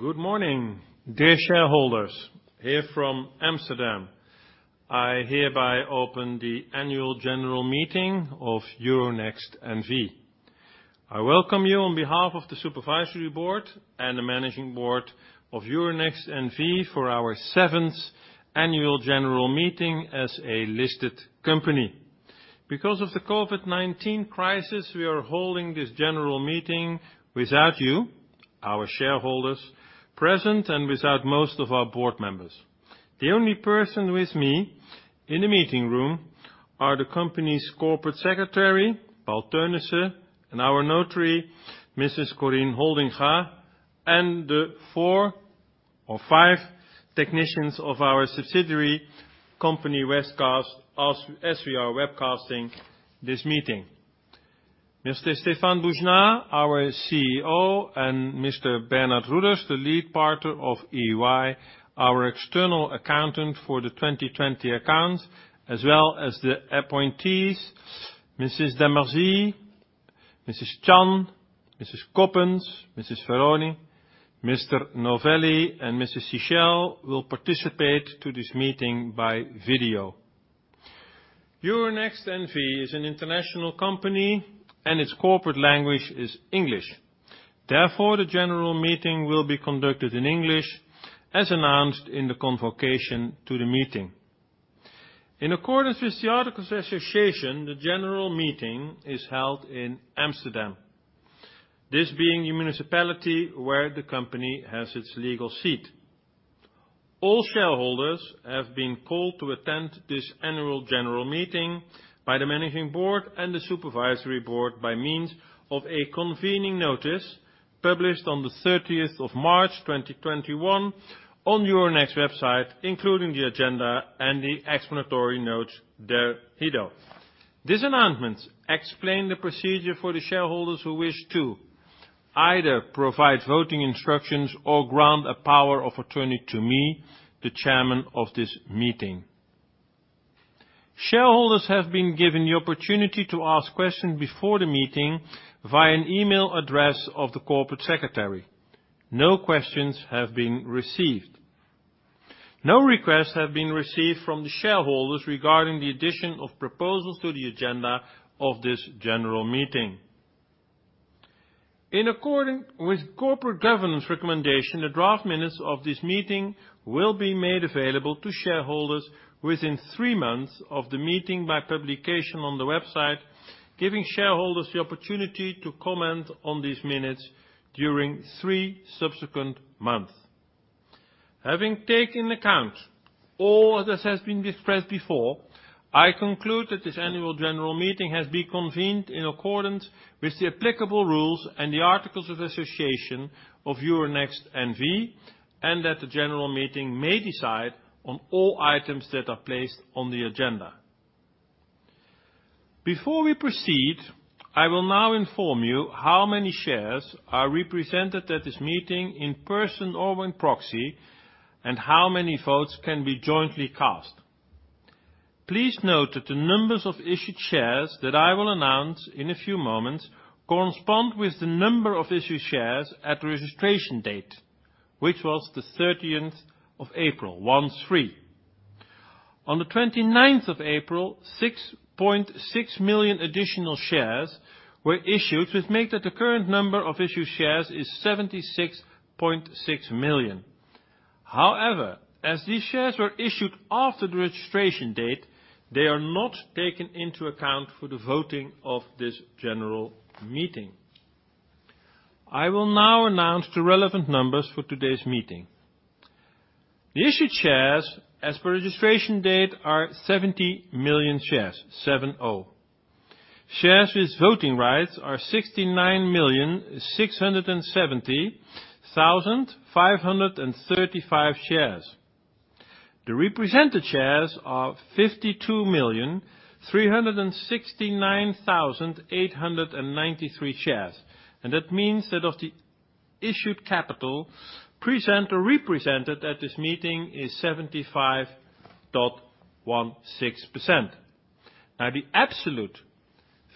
Good morning, dear shareholders, here from Amsterdam. I hereby open the annual general meeting of Euronext N.V. I welcome you on behalf of the supervisory board and the managing board of Euronext N.V. for our seventh annual general meeting as a listed company. Because of the COVID-19 crisis, we are holding this general meeting without you, our shareholders, present and without most of our board members. The only person with me in the meeting room are the company's corporate secretary, Paul Theunissen, and our notary, Mrs. Corrine Holdinga, and the four or five technicians of our subsidiary company, Webcast, as we are webcasting this meeting. Mr. Stéphane Boujnah, our CEO, and Mr. Bernard Roeders, the Lead Partner of EY, our external accountant for the 2020 accounts, as well as the appointees, Mrs. d'Amarzit, Mrs. Chan, Mrs. Coppens, Mrs. Ferone, Mr. Novelli, and Mrs. Sichel will participate to this meeting by video. Euronext N.V. is an international company and its corporate language is English. The general meeting will be conducted in English as announced in the convocation to the meeting. In accordance with the articles of association, the general meeting is held in Amsterdam, this being the municipality where the company has its legal seat. All shareholders have been called to attend this annual general meeting by the Managing Board and the Supervisory Board by means of a convening notice published on the 30th of March 2021 on Euronext website, including the agenda and the explanatory notes thereto. This announcement explained the procedure for the shareholders who wish to either provide voting instructions or grant a power of attorney to me, the Chairman of this meeting. Shareholders have been given the opportunity to ask questions before the meeting via an email address of the corporate secretary. No questions have been received. No requests have been received from the shareholders regarding the addition of proposals to the agenda of this general meeting. In accordance with corporate governance recommendation, the draft minutes of this meeting will be made available to shareholders within three months of the meeting by publication on the website, giving shareholders the opportunity to comment on these minutes during three subsequent months. Having taken account all that has been expressed before, I conclude that this annual general meeting has been convened in accordance with the applicable rules and the articles of association of Euronext N.V., and that the general meeting may decide on all items that are placed on the agenda. Before we proceed, I will now inform you how many shares are represented at this meeting in person or when proxy, and how many votes can be jointly cast. Please note that the numbers of issued shares that I will announce in a few moments correspond with the number of issued shares at the registration date, which was the 30th of April 2013. On the 29th of April, 6.6 million additional shares were issued, which make that the current number of issued shares is 76.6 million. However, as these shares were issued after the registration date, they are not taken into account for the voting of this general meeting. I will now announce the relevant numbers for today's meeting. The issued shares as per registration date are 70 million shares, 70. Shares with voting rights are 69,670,535 shares. The represented shares are 52,369,893 shares, and that means that of the issued capital, present or represented at this meeting is 75.16%. Now, the absolute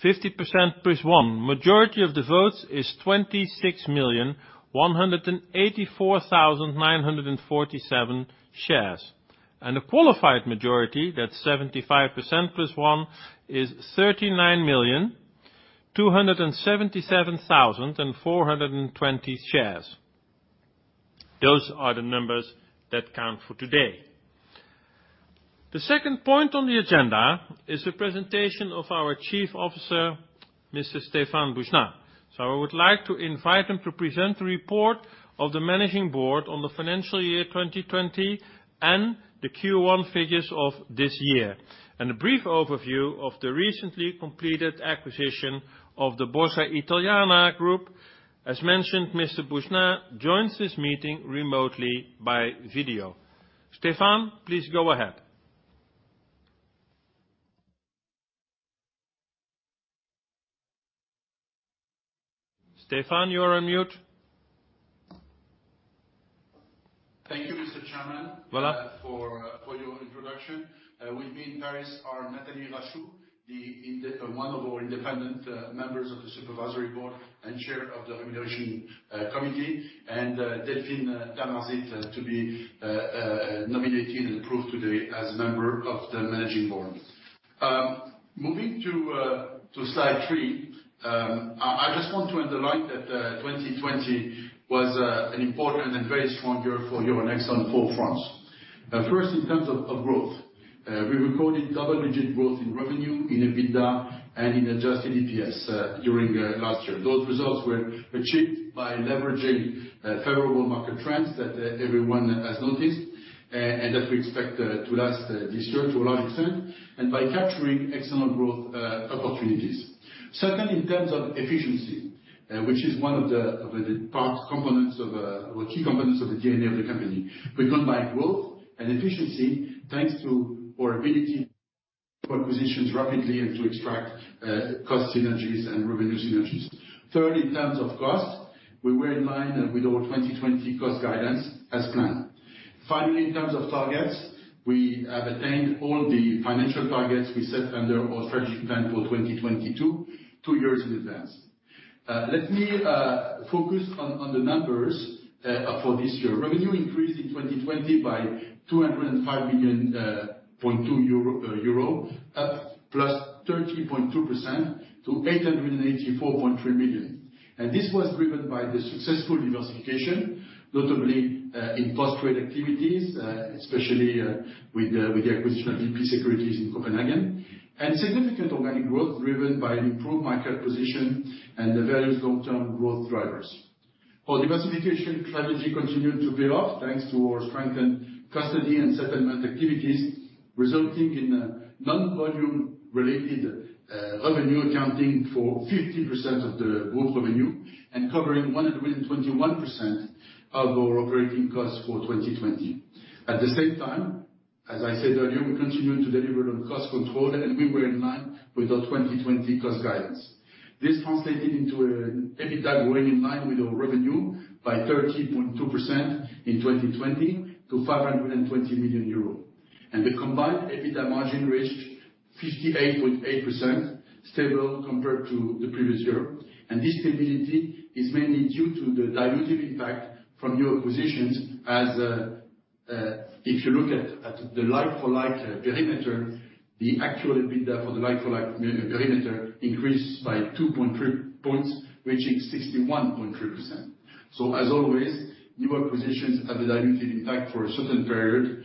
50% plus one majority of the votes is 26,184,947 shares, and a qualified majority, that's 75% plus one, is 39,277,420 shares. Those are the numbers that count for today. The second point on the agenda is the presentation of our Chief Officer, Mr. Stéphane Boujnah. I would like to invite him to present the report of the Managing Board on the financial year 2020 and the Q1 figures of this year, and a brief overview of the recently completed acquisition of the Borsa Italiana Group. As mentioned, Mr. Boujnah joins this meeting remotely by video. Stéphane, please go ahead. Stéphane, you are on mute. Thank you, Mr. Chairman- Voilà for your introduction. With me in Paris are Nathalie Rachou, one of our independent members of the supervisory board and chair of the nomination committee, and Delphine d'Amarzit, to be nominated and approved today as a member of the managing board. Moving to slide three, I just want to underline that 2020 was an important and very strong year for Euronext on four fronts. First, in terms of growth. We recorded double-digit growth in revenue, in EBITDA, and in adjusted EPS during last year. Those results were achieved by leveraging favorable market trends that everyone has noticed, and that we expect to last this year to a large extent, and by capturing external growth opportunities. Second, in terms of efficiency, which is one of the key components of the DNA of the company. We combined growth and efficiency, thanks to our ability to acquisitions rapidly and to extract cost synergies and revenue synergies. Third, in terms of cost, we were in line with our 2020 cost guidance as planned. Finally, in terms of targets, we have attained all the financial targets we set under our strategic plan for 2022, two years in advance. Let me focus on the numbers for this year. Revenue increased in 2020 by 205.2 million, up +30.2% to 884.3 million. This was driven by the successful diversification, notably in post-trade activities, especially with the acquisition of VP Securities in Copenhagen. Significant organic growth driven by an improved market position and the various long-term growth drivers. Our diversification strategy continued to pay off, thanks to our strengthened custody and settlement activities, resulting in a non-volume related revenue accounting for 50% of the group revenue and covering 121% of our operating costs for 2020. At the same time, as I said earlier, we continued to deliver on cost control, and we were in line with our 2020 cost guidance. This translated into an EBITDA growing in line with our revenue by 30.2% in 2020 to 520 million euros. The combined EBITDA margin reached 58.8%, stable compared to the previous year. This stability is mainly due to the dilutive impact from new acquisitions, as if you look at the like-for-like perimeter, the actual EBITDA for the like-for-like perimeter increased by 2.3 points, reaching 61.3%. As always, new acquisitions have a dilutive impact for a certain period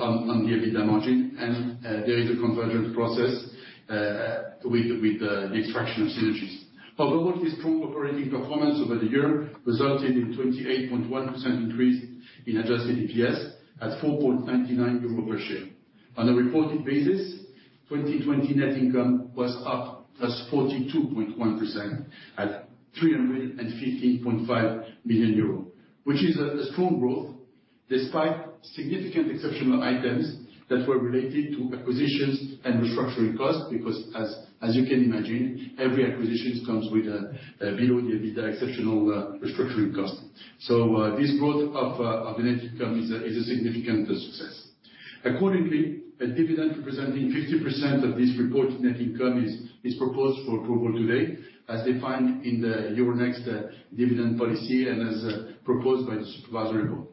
on the EBITDA margin, and there is a convergence process with the extraction of synergies. Overall, this strong operating performance over the year resulted in 28.1% increase in adjusted EPS at 4.99 euro per share. On a reported basis, 2020 net income was up plus 42.1% at 315.5 million euro, which is a strong growth despite significant exceptional items that were related to acquisitions and restructuring costs, because as you can imagine, every acquisition comes with a below EBITDA exceptional restructuring cost. This growth of net income is a significant success. Accordingly, a dividend representing 50% of this reported net income is proposed for approval today, as defined in the Euronext dividend policy and as proposed by the Supervisory Board.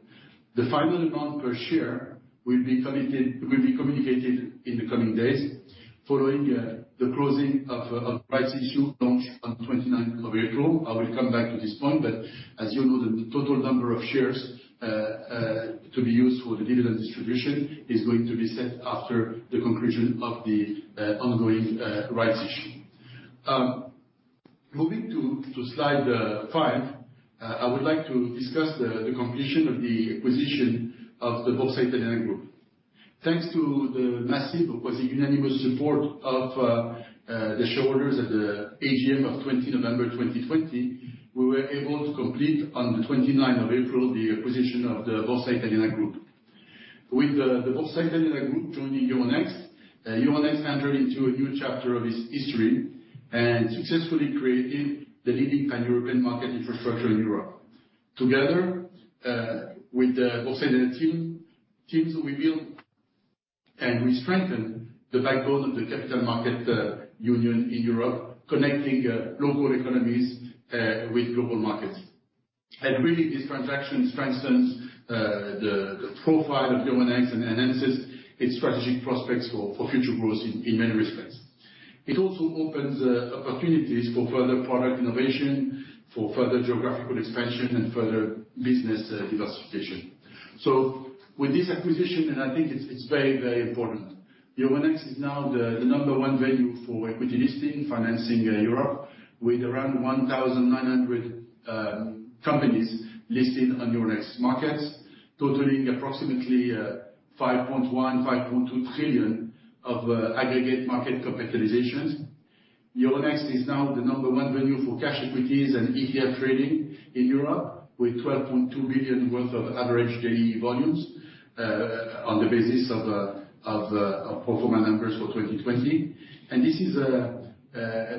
The final amount per share will be communicated in the coming days following the closing of rights issue launched on the 29th of April. I will come back to this point, but as you know, the total number of shares to be used for the dividend distribution is going to be set after the conclusion of the ongoing rights issue. Moving to slide five, I would like to discuss the completion of the acquisition of the Borsa Italiana Group. Thanks to the massive, quasi-unanimous support of the shareholders at the AGM of 20 November 2020, we were able to complete on the 29th of April the acquisition of the Borsa Italiana Group. With the Borsa Italiana Group joining Euronext entered into a new chapter of its history and successfully created the leading pan-European market infrastructure in Europe. Together with the Borsa Italiana teams, we build and we strengthen the backbone of the Capital Markets Union in Europe, connecting local economies with global markets. Really, this transaction strengthens the profile of Euronext and enhances its strategic prospects for future growth in many respects. It also opens opportunities for further product innovation, for further geographical expansion, and further business diversification. With this acquisition, and I think it's very important, Euronext is now the number one venue for equity listing, financing Europe with around 1,900 companies listed on Euronext markets, totaling approximately 5.1, 5.2 trillion of aggregate market capitalizations. Euronext is now the number one venue for cash equities and ETF trading in Europe, with 12.2 billion worth of average daily volumes on the basis of pro forma numbers for 2020. This is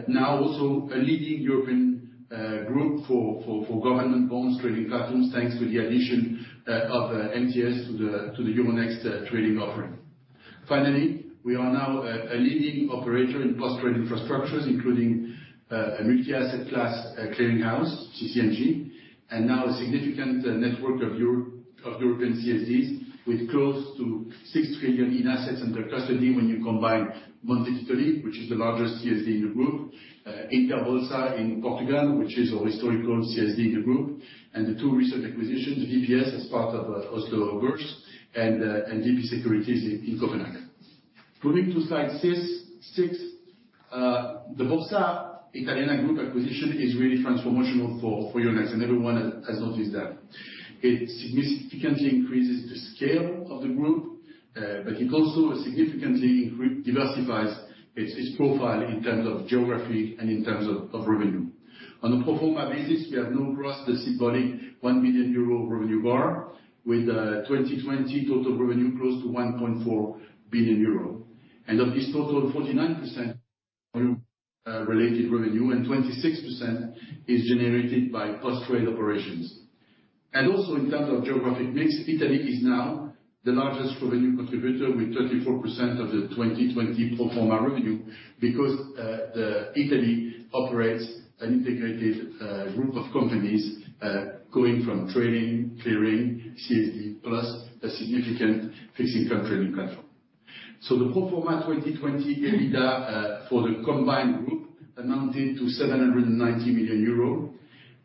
now also a leading European group for government bonds trading platforms, thanks to the addition of MTS to the Euronext trading offering. Finally, we are now a leading operator in post-trade infrastructures, including a multi-asset class clearing house, CC&G, and now a significant network of European CSDs with close to 6 trillion in assets under custody when you combine Monte Titoli, which is the largest CSD in the group, INTERBOLSA in Portugal, which is our historical CSD in the group, and the two recent acquisitions, VPS as part of Oslo Børs, and VP Securities in Copenhagen. Moving to slide six, the Borsa Italiana Group acquisition is really transformational for Euronext, and everyone has noticed that. It significantly increases the scale of the group, but it also significantly diversifies its profile in terms of geography and in terms of revenue. On a pro forma basis, we have now crossed the symbolic 1 million euro revenue bar with 2020 total revenue close to 1.4 billion euro. Of this total, 49% related revenue and 26% is generated by post-trade operations. Also in terms of geographic mix, Italy is now the largest revenue contributor with 24% of the 2020 pro forma revenue, because Italy operates an integrated group of companies going from trading, clearing, CSD, plus a significant fixed income trading platform. The pro forma 2020 EBITDA for the combined group amounted to 790 million euros,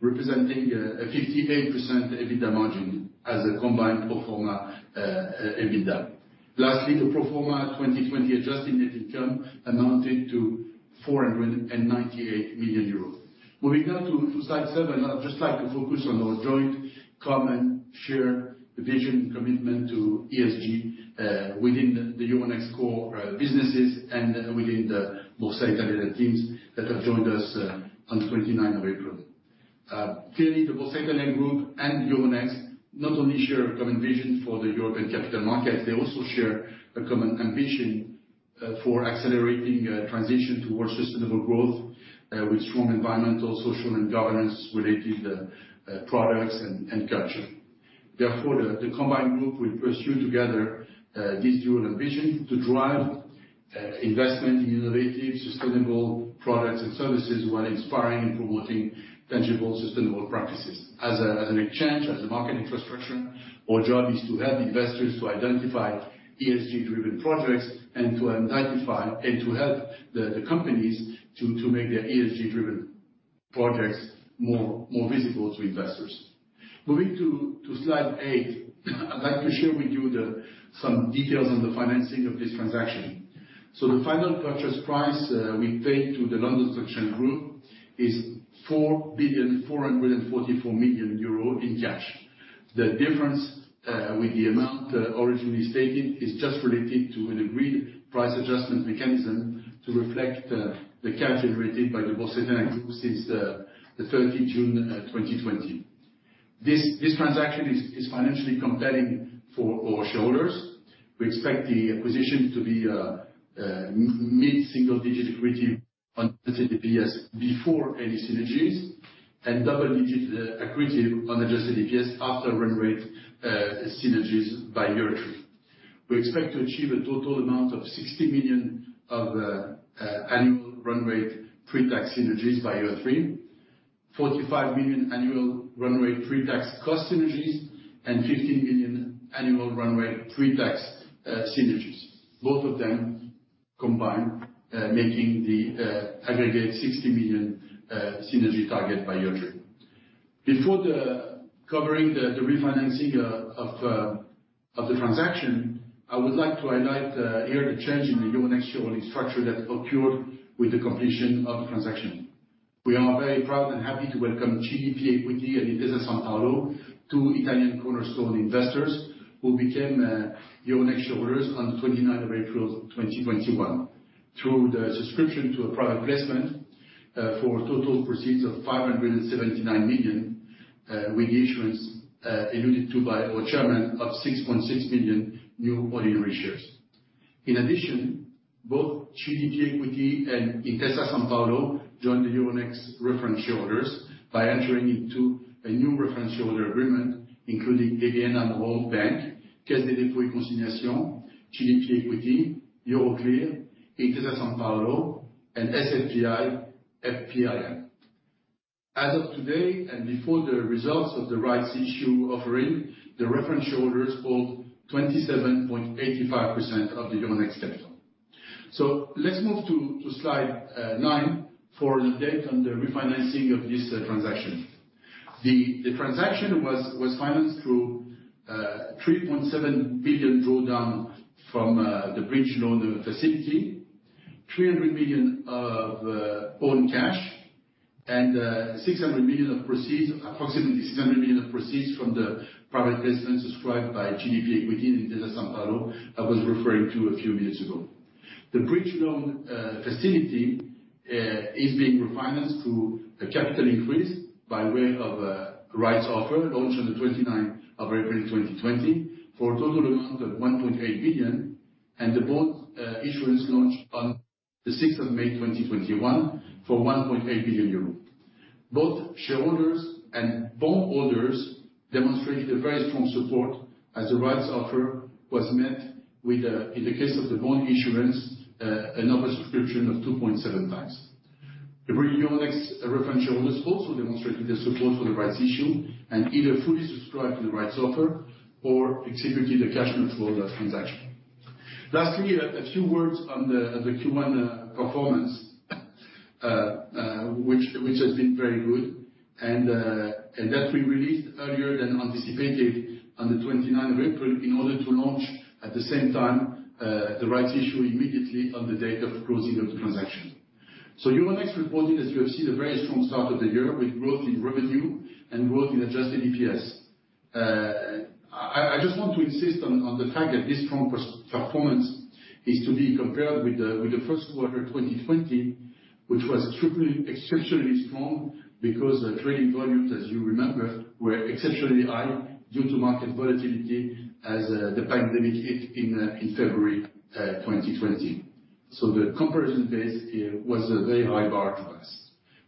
representing a 58% EBITDA margin as a combined pro forma EBITDA. Lastly, the pro forma 2020 adjusted net income amounted to 498 million euros. Moving now to slide seven, I'd just like to focus on our joint common shared vision commitment to ESG within the Euronext core businesses and within the Borsa Italiana teams that have joined us on 29th of April. Clearly, the Borsa Italiana Group and Euronext not only share a common vision for the European capital markets, they also share a common ambition for accelerating a transition towards sustainable growth with strong environmental, social, and governance related products and culture. Therefore, the combined group will pursue together this dual ambition to drive investment in innovative, sustainable products and services while inspiring and promoting tangible, sustainable practices. As an exchange, as a market infrastructure, our job is to help investors to identify ESG driven projects and to help the companies to make their ESG driven projects more visible to investors. Moving to slide eight, I'd like to share with you some details on the financing of this transaction. The final purchase price we paid to the London Stock Exchange Group is 4.444 billion in cash. The difference with the amount originally stated is just related to an agreed price adjustment mechanism to reflect the cash generated by the Borsa Italiana since the 30th June 2020. This transaction is financially compelling for our shareholders. We expect the acquisition to be a mid single digit accretive on EPS before any synergies, and double digit accretive on adjusted EPS after run rate synergies by year three. We expect to achieve a total amount of 60 million of annual run rate pre-tax synergies by year three. 45 million annual run rate pre-tax cost synergies and 15 million annual run rate pre-tax synergies. Both of them combined making the aggregate 60 million synergy target by year three. Before covering the refinancing of the transaction, I would like to highlight here the change in the Euronext shareholding structure that occurred with the completion of the transaction. We are very proud and happy to welcome CDP Equity and Intesa Sanpaolo, two Italian cornerstone investors who became Euronext shareholders on 29 April 2021. Through the subscription to a private placement for total proceeds of 579 million, with the issuance alluded to by our chairman of 6.6 million new ordinary shares. In addition, both CDP Equity and Intesa Sanpaolo joined the Euronext reference shareholders by entering into a new reference shareholder agreement including DBN and The World Bank, Caisse des Dépôts et Consignations, CDP Equity, Euroclear, Intesa Sanpaolo, and SFPI-FPIM. As of today, before the results of the rights issue offering, the reference shareholders hold 27.85% of the Euronext capital. Let's move to slide nine for an update on the refinancing of this transaction. The transaction was financed through 3.7 billion drawdown from the bridge loan facility, 300 million of own cash, and approximately 600 million of proceeds from the private placement subscribed by CDP Equity and Intesa Sanpaolo I was referring to a few minutes ago. The bridge loan facility is being refinanced through a capital increase by way of a rights offer launched on the 29th of April 2020 for a total amount of 1.8 billion, and the bond issuance launched on the 6th of May 2021 for 1.8 billion euros. Both shareholders and bondholders demonstrated a very strong support as the rights offer was met with, in the case of the bond issuance, an oversubscription of 2.7x. The Euronext reference shareholders also demonstrated their support for the rights issue and either fully subscribed to the rights offer or executed a cash neutral transaction. Lastly, a few words on the Q1 performance, which has been very good and that we released earlier than anticipated on the 29th of April in order to launch at the same time, the rights issue immediately on the date of closing of the transaction. Euronext reported, as you have seen, a very strong start of the year with growth in revenue and growth in adjusted EPS. I just want to insist on the fact that this strong performance is to be compared with the first quarter 2020, which was exceptionally strong because trading volumes, as you remember, were exceptionally high due to market volatility as the pandemic hit in February 2020. The comparison base was a very high bar to pass.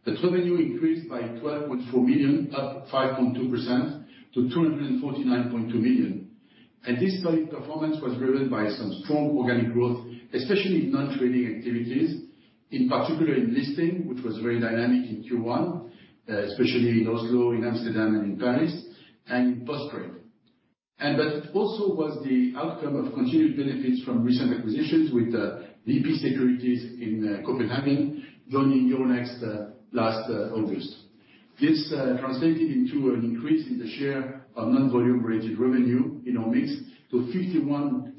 The revenue increased by 12.4 million, up 5.2% to 249.2 million. This performance was driven by some strong organic growth, especially in non-trading activities, in particular in listing, which was very dynamic in Q1, especially in Oslo, in Amsterdam, and in Paris, and in post-trade. That also was the outcome of continued benefits from recent acquisitions with VP Securities in Copenhagen joining Euronext last August. This translated into an increase in the share of non-volume related revenue in our mix to 53%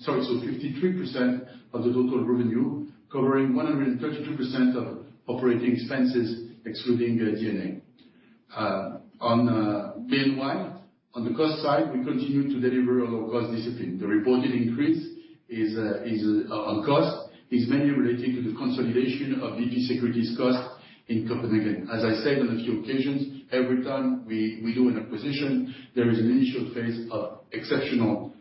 of the total revenue, covering 132% of operating expenses excluding D&A. Meanwhile, on the cost side, we continue to deliver on our cost discipline. The reported increase on cost is mainly related to the consolidation of VP Securities cost in Copenhagen. As I said on a few occasions, every time we do an acquisition, there is an initial phase of exceptional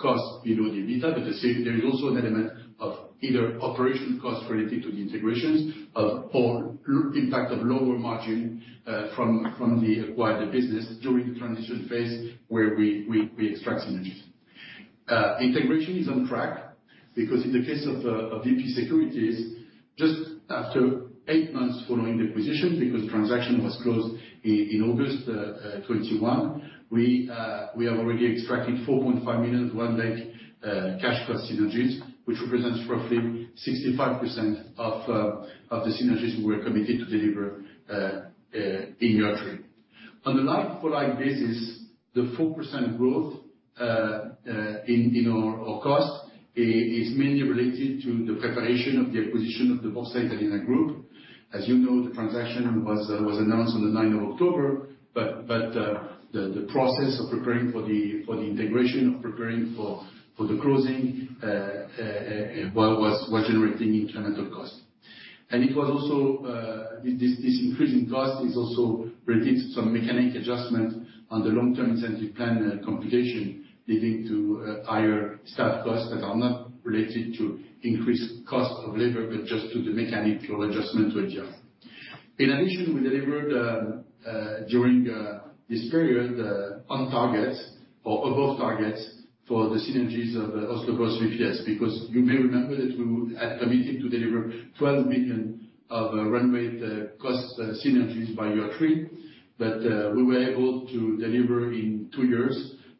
costs below the EBITDA. But there is also an element of either operational costs related to the integrations or impact of lower margin from the acquired business during the transition phase where we extract synergies. Integration is on track because in the case of VP Securities, just after eight months following the acquisition, because transaction was closed in August 2021, we have already extracted 4.5 million run rate cash cost synergies, which represents roughly 65% of the synergies we are committed to deliver in year three. On a like-for-like basis, the 4% growth in our cost is mainly related to the preparation of the acquisition of the Borsa Italiana Group. As you know, the transaction was announced on the 9th of October, but the process of preparing for the integration, of preparing for the closing, was generating incremental cost. This increase in cost is also related to some mechanic adjustment on the long-term incentive plan computation, leading to higher staff costs that are not related to increased cost of labor, but just to the mechanical adjustment. In addition, we delivered during this period on targets or above targets for the synergies of Oslo Børs VPS, because you may remember that we had committed to deliver 12 million of run rate cost synergies by year three. We were able to deliver in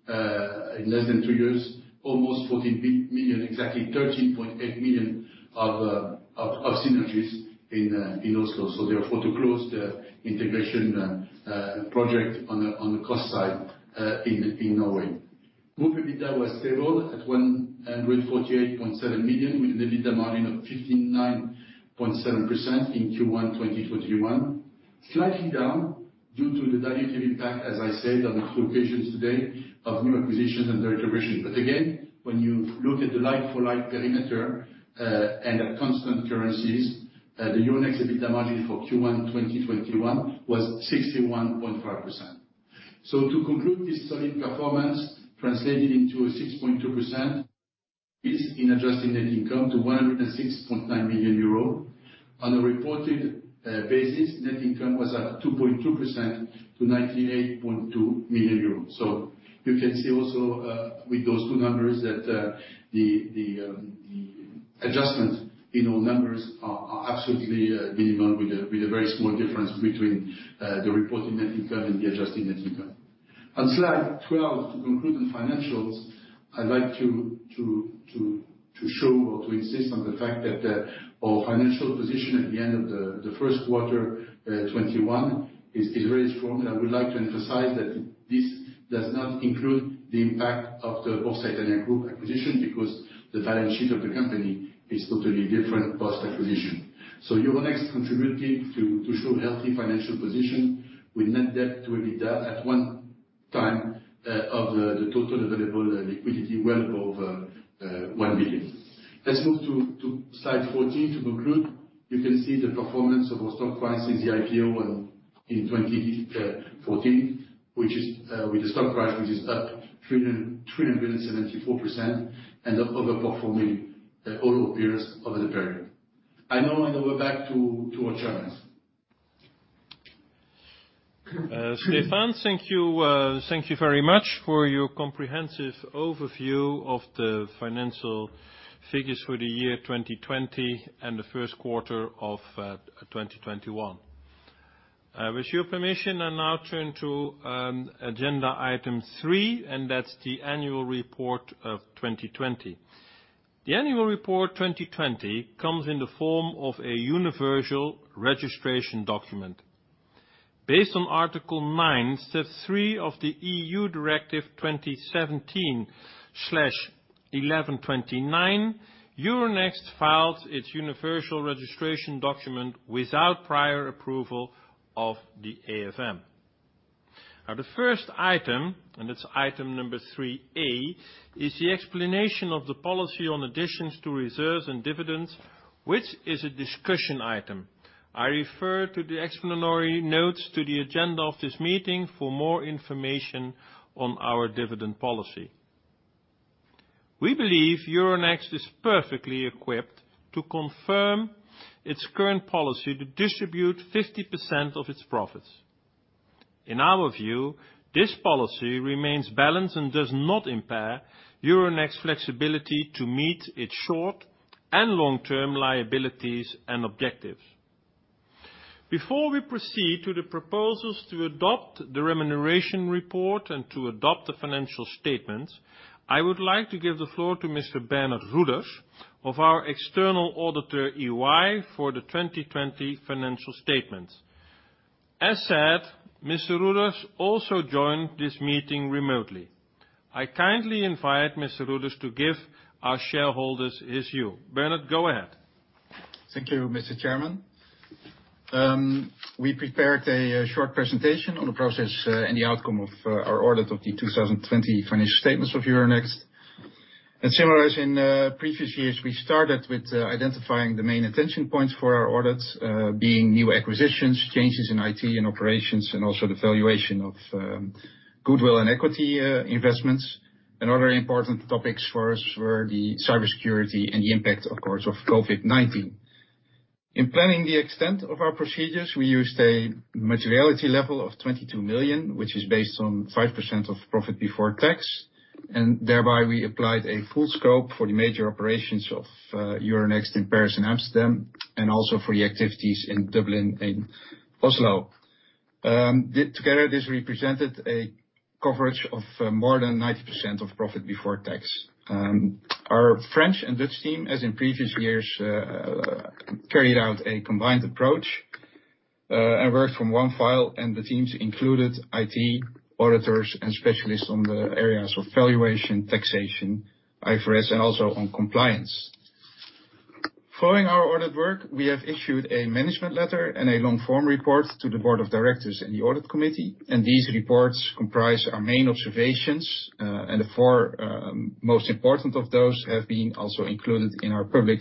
less than two years, almost 14 million, exactly 13.8 million of synergies in Oslo. Therefore, to close the integration project on the cost side in Norway. Group EBITDA was stable at 148.7 million, with an EBITDA margin of 59.7% in Q1 2021, slightly down due to the dilutive impact, as I said on a few occasions today, of new acquisitions and their integration. Again, when you look at the like-for-like perimeter, and at constant currencies, the Euronext EBITDA margin for Q1 2021 was 61.5%. To conclude, this solid performance translated into a 6.2% increase in adjusted net income to 106.9 million euro. On a reported basis, net income was up 2.2% to 98.2 million euros. You can see also with those two numbers that the adjustment in our numbers are absolutely minimal with a very small difference between the reported net income and the adjusted net income. On slide 12, to conclude on financials, I'd like to show or to insist on the fact that our financial position at the end of the first quarter 2021 is very strong. I would like to emphasize that this does not include the impact of the Borsa Italiana Group acquisition because the balance sheet of the company is totally different post-acquisition. Euronext contributed to show healthy financial position with net debt to EBITDA at one time of the total available liquidity well above 1 billion. Let's move to slide 14 to conclude. You can see the performance of our stock price since the IPO in 2014, with the stock price, which is up 374% and outperforming all our peers over the period. I now hand over back to our Chairman. Stéphane, thank you very much for your comprehensive overview of the financial figures for the year 2020 and the first quarter of 2021. With your permission, I now turn to agenda item three, and that's the annual report of 2020. The annual report 2020 comes in the form of a universal registration document. Based on Article 9, Step 3 of the EU Directive 2017/1129, Euronext files its universal registration document without prior approval of the AFM. Now the first item, and it's item number 3A, is the explanation of the policy on additions to reserves and dividends, which is a discussion item. I refer to the explanatory notes to the agenda of this meeting for more information on our dividend policy. We believe Euronext is perfectly equipped to confirm its current policy to distribute 50% of its profits. In our view, this policy remains balanced and does not impair Euronext's flexibility to meet its short and long-term liabilities and objectives. Before we proceed to the proposals to adopt the remuneration report and to adopt the financial statements, I would like to give the floor to Mr. Bernard Roeders of our external auditor, EY, for the 2020 financial statements. As said, Mr. Roeders also joined this meeting remotely. I kindly invite Mr. Roeders to give our shareholders his view. Bernard, go ahead. Thank you, Mr. Chairman. We prepared a short presentation on the process and the outcome of our audit of the 2020 financial statements of Euronext. Similar as in previous years, we started with identifying the main attention points for our audits, being new acquisitions, changes in IT and operations, and also the valuation of goodwill and equity investments. Other important topics for us were the cybersecurity and the impact, of course, of COVID-19. In planning the extent of our procedures, we used a materiality level of 22 million, which is based on 5% of profit before tax, and thereby we applied a full scope for the major operations of Euronext in Paris and Amsterdam, and also for the activities in Dublin and Oslo. Together, this represented a coverage of more than 90% of profit before tax. Our French and Dutch team, as in previous years, carried out a combined approach, worked from one file. The teams included IT auditors and specialists on the areas of valuation, taxation, IFRS, and also on compliance. Following our audit work, we have issued a management letter and a long-form report to the board of directors and the audit committee. These reports comprise our main observations. The four most important of those have been also included in our public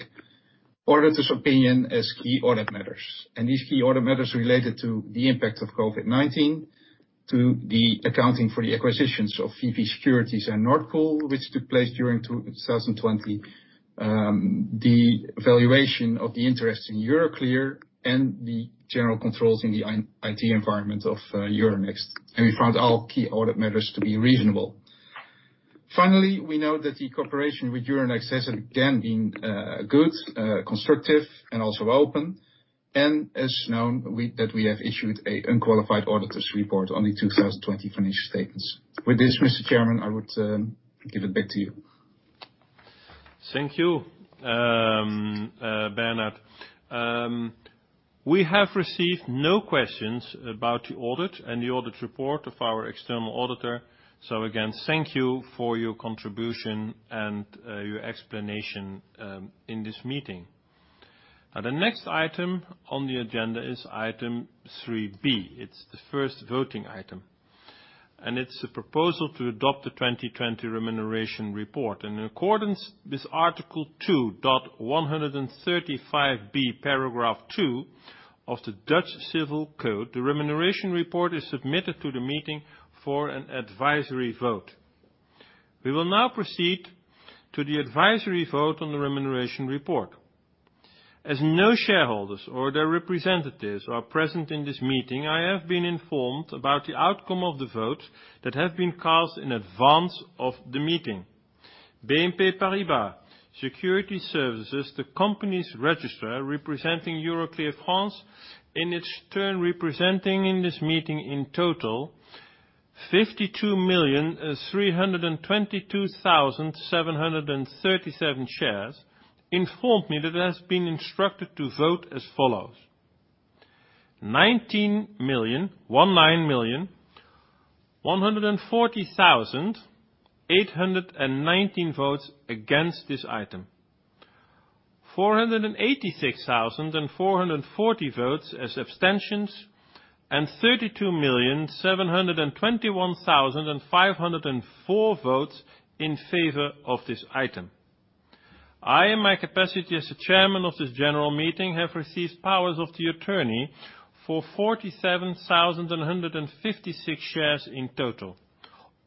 auditor's opinion as key audit matters. These key audit matters related to the impact of COVID-19 to the accounting for the acquisitions of VP Securities and Nord Pool, which took place during 2020, the valuation of the interest in Euroclear and the general controls in the IT environment of Euronext. We found all key audit matters to be reasonable. Finally, we note that the cooperation with Euronext has again been good, constructive, and also open, and as known, that we have issued an unqualified auditor's report on the 2020 financial statements. With this, Mr. Chairman, I would give it back to you. Thank you, Bernard. We have received no questions about the audit and the audit report of our external auditor. Again, thank you for your contribution and your explanation in this meeting. The next item on the agenda is item 3B. It's the first voting item. It's a proposal to adopt the 2020 remuneration report. In accordance with Article 2:135b, Paragraph 2 of the Dutch Civil Code, the remuneration report is submitted to the meeting for an advisory vote. We will now proceed to the advisory vote on the remuneration report. As no shareholders or their representatives are present in this meeting, I have been informed about the outcome of the votes that have been cast in advance of the meeting. BNP Paribas Securities Services, the company's registrar, representing Euroclear France, in its turn representing in this meeting a total of 52,322,737 shares, informed me that it has been instructed to vote as follows: 19,140,819 votes against this item, 486,440 votes as abstentions, and 32,721,504 votes in favor of this item. I, in my capacity as the Chairman of this general meeting, have received powers of attorney for 47,156 shares in total.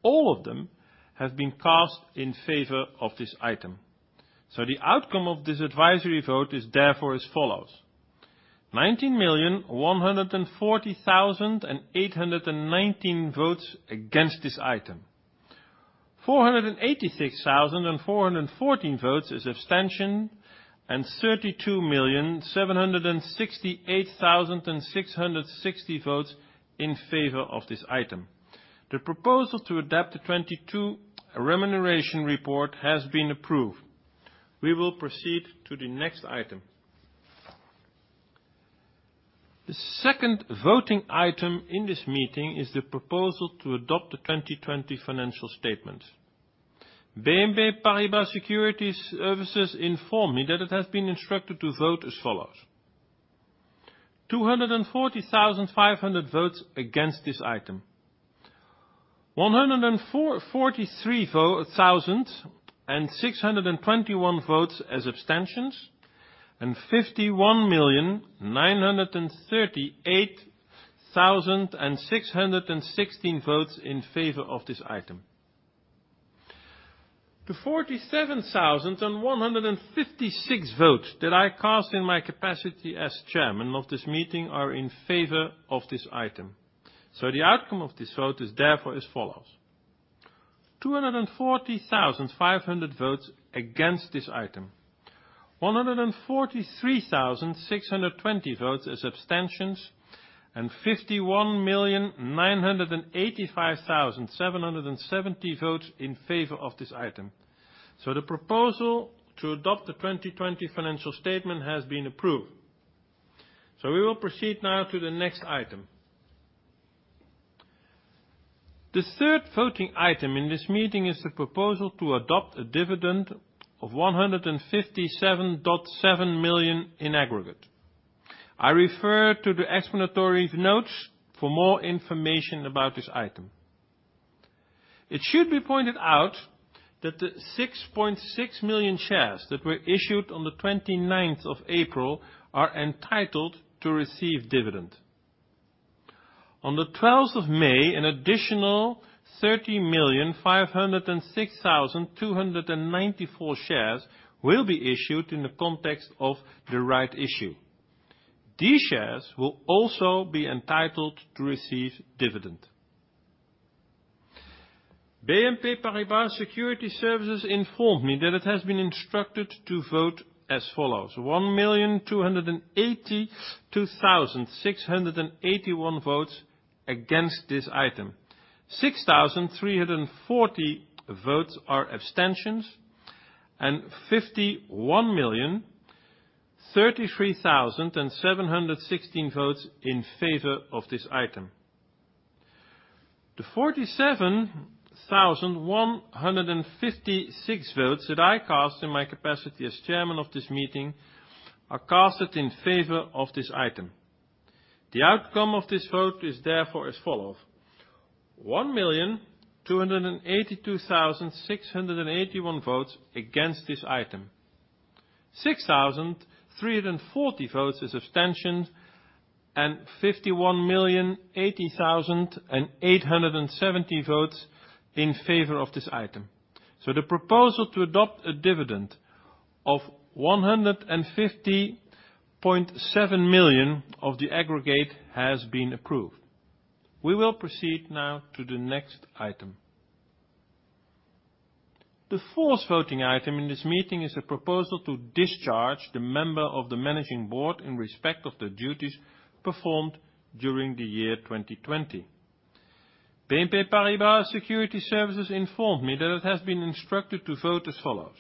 All of them have been cast in favor of this item. The outcome of this advisory vote is therefore as follows: 19,140,819 votes against this item, 486,414 votes as abstention, and 32,768,660 votes in favor of this item. The proposal to adopt the 2020 to remuneration report has been approved. We will proceed to the next item. The second voting item in this meeting is the proposal to adopt the 2020 financial statement. BNP Paribas Securities Services informed me that it has been instructed to vote as follows, 240,500 votes against this item. 143,621 votes as abstentions, 51,938,616 votes in favor of this item. The 47,156 votes that I cast in my capacity as Chairman of this meeting are in favor of this item. The outcome of this vote is therefore as follows, 240,500 votes against this item. 143,620 votes as abstentions, 51,985,770 votes in favor of this item. The proposal to adopt the 2020 financial statement has been approved. We will proceed now to the next item. The third voting item in this meeting is the proposal to adopt a dividend of 157.7 million in aggregate. I refer to the explanatory notes for more information about this item. It should be pointed out that the 6.6 million shares that were issued on the 29th of April are entitled to receive dividend. On the 12th of May, an additional 30,506,294 shares will be issued in the context of the rights issue. These shares will also be entitled to receive dividend. BNP Paribas Securities Services informed me that it has been instructed to vote as follows, 1,282,681 votes against this item. 6,340 votes are abstentions, and 51,033,716 votes in favor of this item. The 47,156 votes that I cast in my capacity as Chairman of this meeting are cast in favor of this item. The outcome of this vote is therefore as follows, 1,282,681 votes against this item. 6,340 votes as abstention, and 51,080,870 votes in favor of this item. The proposal to adopt a dividend of 157.7 million of the aggregate has been approved. We will proceed now to the next item. The fourth voting item in this meeting is a proposal to discharge the member of the managing board in respect of the duties performed during the year 2020. BNP Paribas Securities Services informed me that it has been instructed to vote as follows,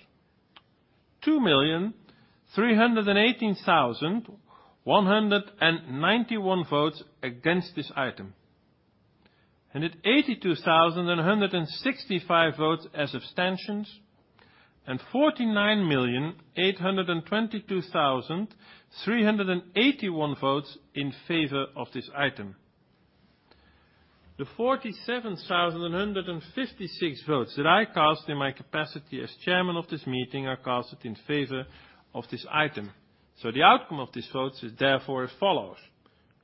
2,318,191 votes against this item, and at 82,165 votes as abstentions, and 49,822,381 votes in favor of this item. The 47,156 votes that I cast in my capacity as chairman of this meeting are cast in favor of this item. The outcome of these votes is therefore as follows,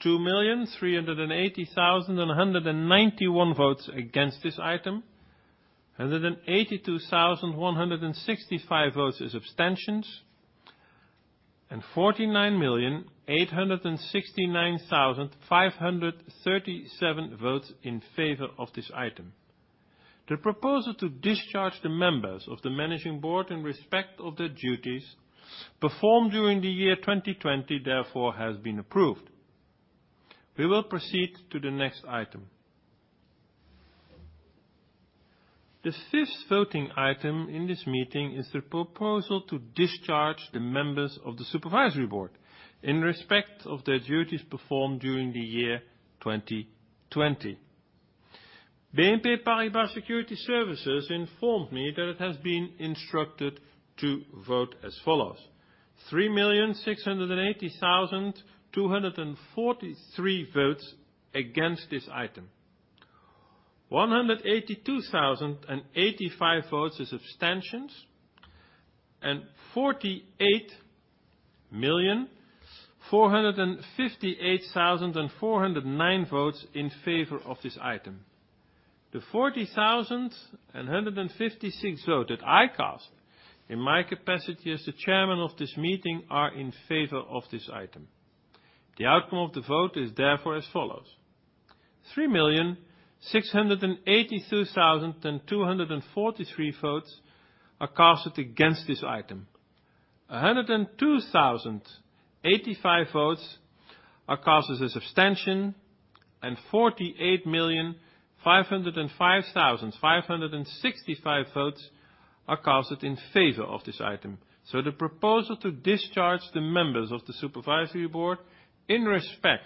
2,380,191 votes against this item, and then 82,165 votes as abstentions, and 49,869,537 votes in favor of this item. The proposal to discharge the members of the managing board in respect of their duties performed during the year 2020, therefore, has been approved. We will proceed to the next item. The fifth voting item in this meeting is the proposal to discharge the members of the Supervisory Board in respect of their duties performed during the year 2020. BNP Paribas Securities Services informed me that it has been instructed to vote as follows, 3,680,243 votes against this item. 182,085 votes as abstentions, and 48,458,409 votes in favor of this item. The 47,156 vote that I cast in my capacity as the Chairman of this meeting are in favor of this item. The outcome of the vote is therefore as follows: 3,683,243 votes are casted against this item. 102,085 votes are cast as an abstention, and 48,505,565 votes are casted in favor of this item. The proposal to discharge the members of the Supervisory Board in respect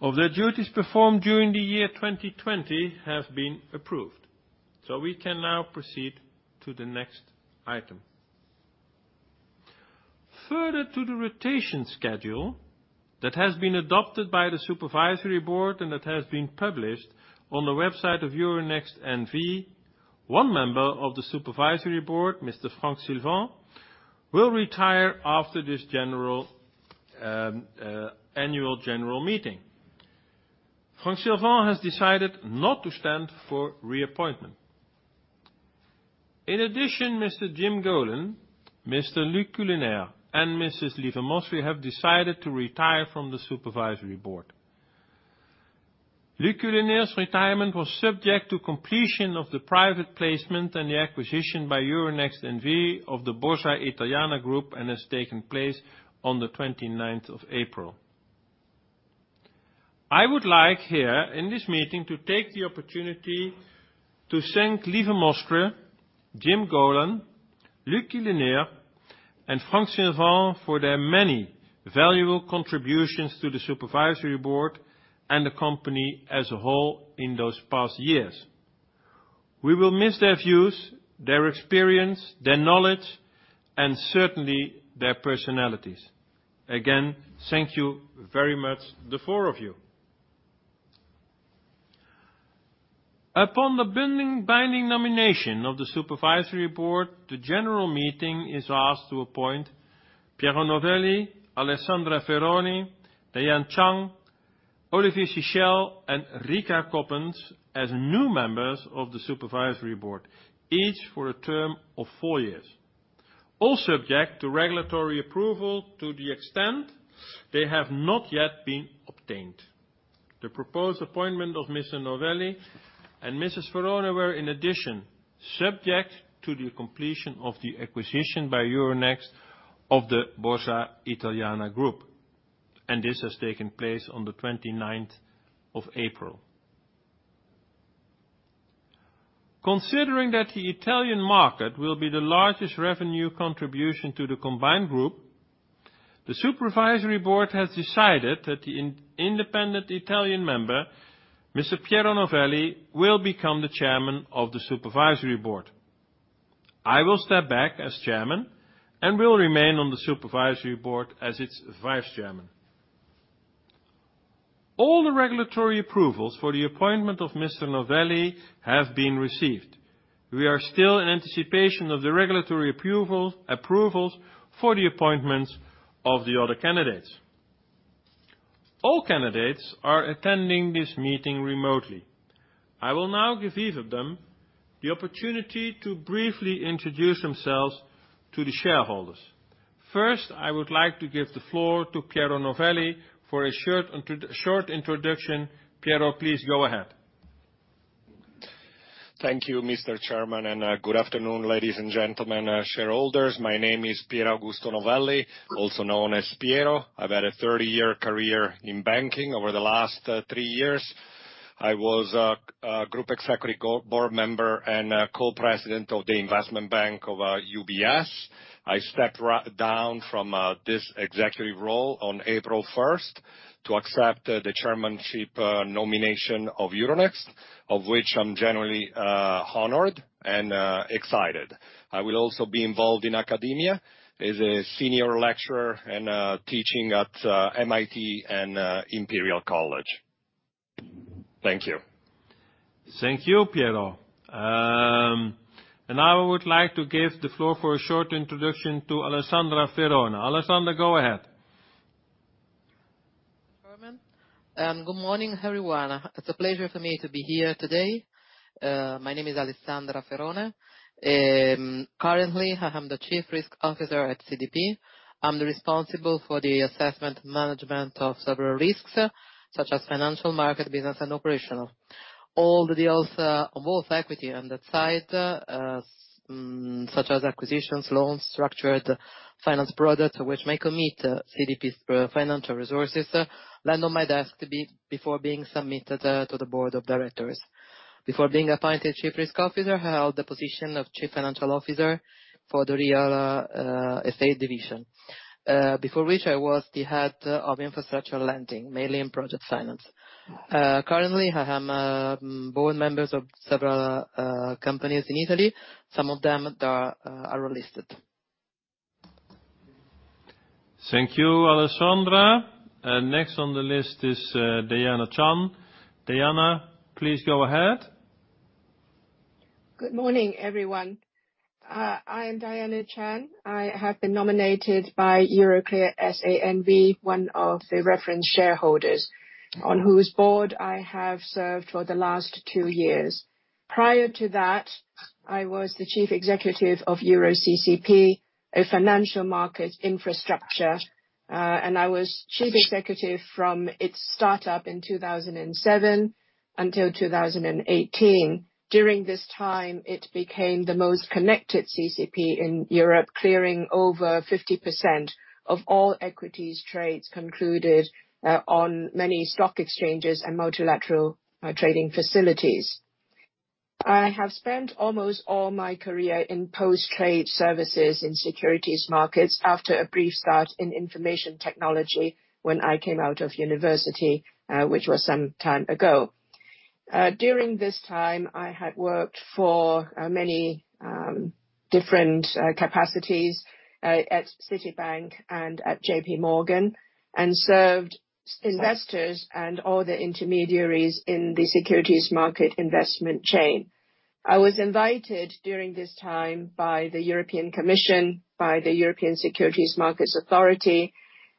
of their duties performed during the year 2020 have been approved. We can now proceed to the next item. Further to the rotation schedule that has been adopted by the Supervisory Board and that has been published on the website of Euronext N.V., one member of the Supervisory Board, Mr. Franck Silvent, will retire after this Annual General Meeting. Franck Silvent has decided not to stand for reappointment. In addition, Mr. Jim Gollan, Mr. Luc Keuleneer, and Mrs. Lieve Mostrey have decided to retire from the Supervisory Board. Luc Keuleneer's retirement was subject to completion of the private placement and the acquisition by Euronext N.V. of the Borsa Italiana Group, and has taken place on the 29th of April. I would like here, in this meeting, to take the opportunity to thank Lieve Mostrey, Jim Gollan, Luc Keuleneer, and Franck Silvent for their many valuable contributions to the Supervisory Board and the company as a whole in those past years. We will miss their views, their experience, their knowledge, and certainly, their personalities. Again, thank you very much, the four of you. Upon the binding nomination of the Supervisory Board, the general meeting is asked to appoint Piero Novelli, Alessandra Ferone, Diana Chan, Olivier Sichel, and Rika Coppens as new members of the Supervisory Board, each for a term of four years, all subject to regulatory approval to the extent they have not yet been obtained. The proposed appointment of Mr. Novelli and Mrs. Ferone were, in addition, subject to the completion of the acquisition by Euronext of the Borsa Italiana Group, and this has taken place on the 29th of April. Considering that the Italian market will be the largest revenue contribution to the combined group, the Supervisory Board has decided that the independent Italian member, Mr. Piero Novelli, will become the Chairman of the Supervisory Board. I will step back as Chairman and will remain on the Supervisory Board as its Vice Chairman. All the regulatory approvals for the appointment of Mr. Novelli have been received. We are still in anticipation of the regulatory approvals for the appointments of the other candidates. All candidates are attending this meeting remotely. I will now give each of them the opportunity to briefly introduce themselves to the shareholders. First, I would like to give the floor to Piero Novelli for a short introduction. Piero, please go ahead. Thank you, Mr. Chairman, and good afternoon, ladies and gentlemen, shareholders. My name is Piero Augusto Novelli, also known as Piero. I've had a 30-year career in banking. Over the last three years, I was a Group Executive Board Member and Co-President of the Investment Bank of UBS. I stepped down from this executive role on April 1st to accept the chairmanship nomination of Euronext, of which I'm generally honored and excited. I will also be involved in academia as a senior lecturer and teaching at MIT and Imperial College. Thank you. Thank you, Piero. Now I would like to give the floor for a short introduction to Alessandra Ferone. Alessandra, go ahead. Chairman. Good morning, everyone. It's a pleasure for me to be here today. My name is Alessandra Ferone. Currently, I am the Chief Risk Officer at CDP. I'm the responsible for the assessment management of several risks, such as financial, market, business, and operational. All the deals, both equity and that side, such as acquisitions, loans, structured finance products, which may commit CDP's financial resources, land on my desk before being submitted to the Board of Directors. Before being appointed Chief Risk Officer, I held the position of Chief Financial Officer for the real estate division. Before which, I was the Head of Infrastructure Lending, mainly in project finance. Currently, I am board members of several companies in Italy. Some of them are listed. Thank you, Alessandra. Next on the list is Diana Chan. Diana, please go ahead. Good morning, everyone. I am Diana Chan. I have been nominated by Euroclear SA/NV, one of the reference shareholders on whose board I have served for the last two years. Prior to that, I was the Chief Executive of EuroCCP, a financial market infrastructure, and I was Chief Executive from its startup in 2007 until 2018. During this time, it became the most connected CCP in Europe, clearing over 50% of all equities trades concluded on many stock exchanges and multilateral trading facilities. I have spent almost all my career in post-trade services in securities markets after a brief start in information technology when I came out of university, which was some time ago. During this time, I had worked for many different capacities at Citibank and at JPMorgan and served investors and other intermediaries in the securities market investment chain. I was invited during this time by the European Commission, by the European Securities and Markets Authority,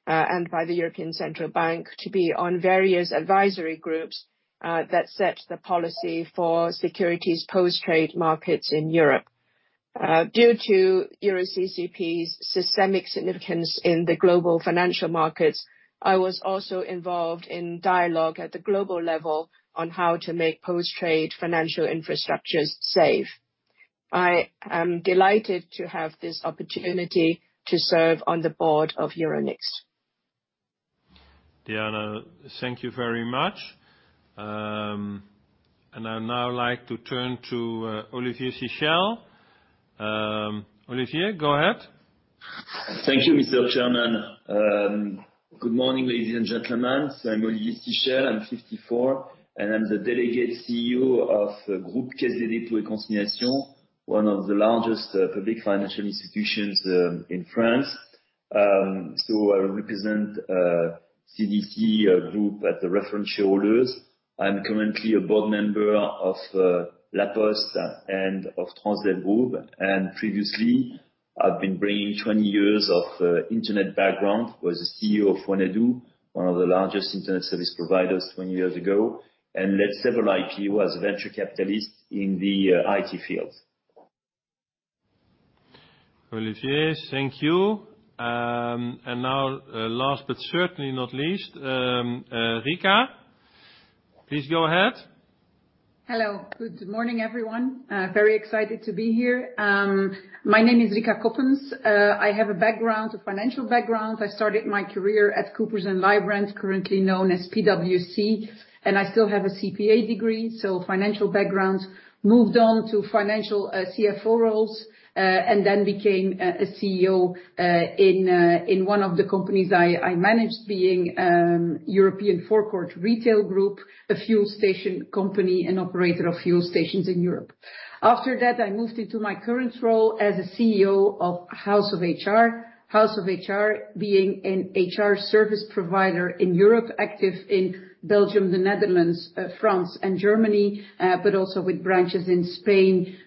and by the European Central Bank to be on various advisory groups that set the policy for securities post-trade markets in Europe. Due to EuroCCP's systemic significance in the global financial markets, I was also involved in dialogue at the global level on how to make post-trade financial infrastructures safe. I am delighted to have this opportunity to serve on the Board of Euronext. Diana, thank you very much. I'd now like to turn to Olivier Sichel. Olivier, go ahead. Thank you, Mr. Chairman. Good morning, ladies and gentlemen. I am Olivier Sichel, I am 54, and I am the delegate CEO of the Groupe Caisse des Dépôts et Consignations, one of the largest public financial institutions in France. I represent CDC Group at the reference shareholders. I am currently a board member of La Poste and of Transdev Group, and previously I have been bringing 20 years of internet background. I was the CEO of Wanadoo, one of the largest internet service providers 20 years ago, and [Sofinnova] as a venture capitalist in the IT field. Olivier, thank you. Now last but certainly not least, Rika, please go ahead. Hello. Good morning, everyone. Very excited to be here. My name is Rika Coppens. I have a financial background. I started my career at Coopers & Lybrand, currently known as PwC, and I still have a CPA degree, so financial background. Moved on to financial CFO roles, and then became a CEO in one of the companies I managed, being European Forecourt Retail Group, a fuel station company and operator of fuel stations in Europe. After that, I moved into my current role as the CEO of House of HR. House of HR being an HR service provider in Europe, active in Belgium, the Netherlands, France, and Germany, but also with branches in Spain,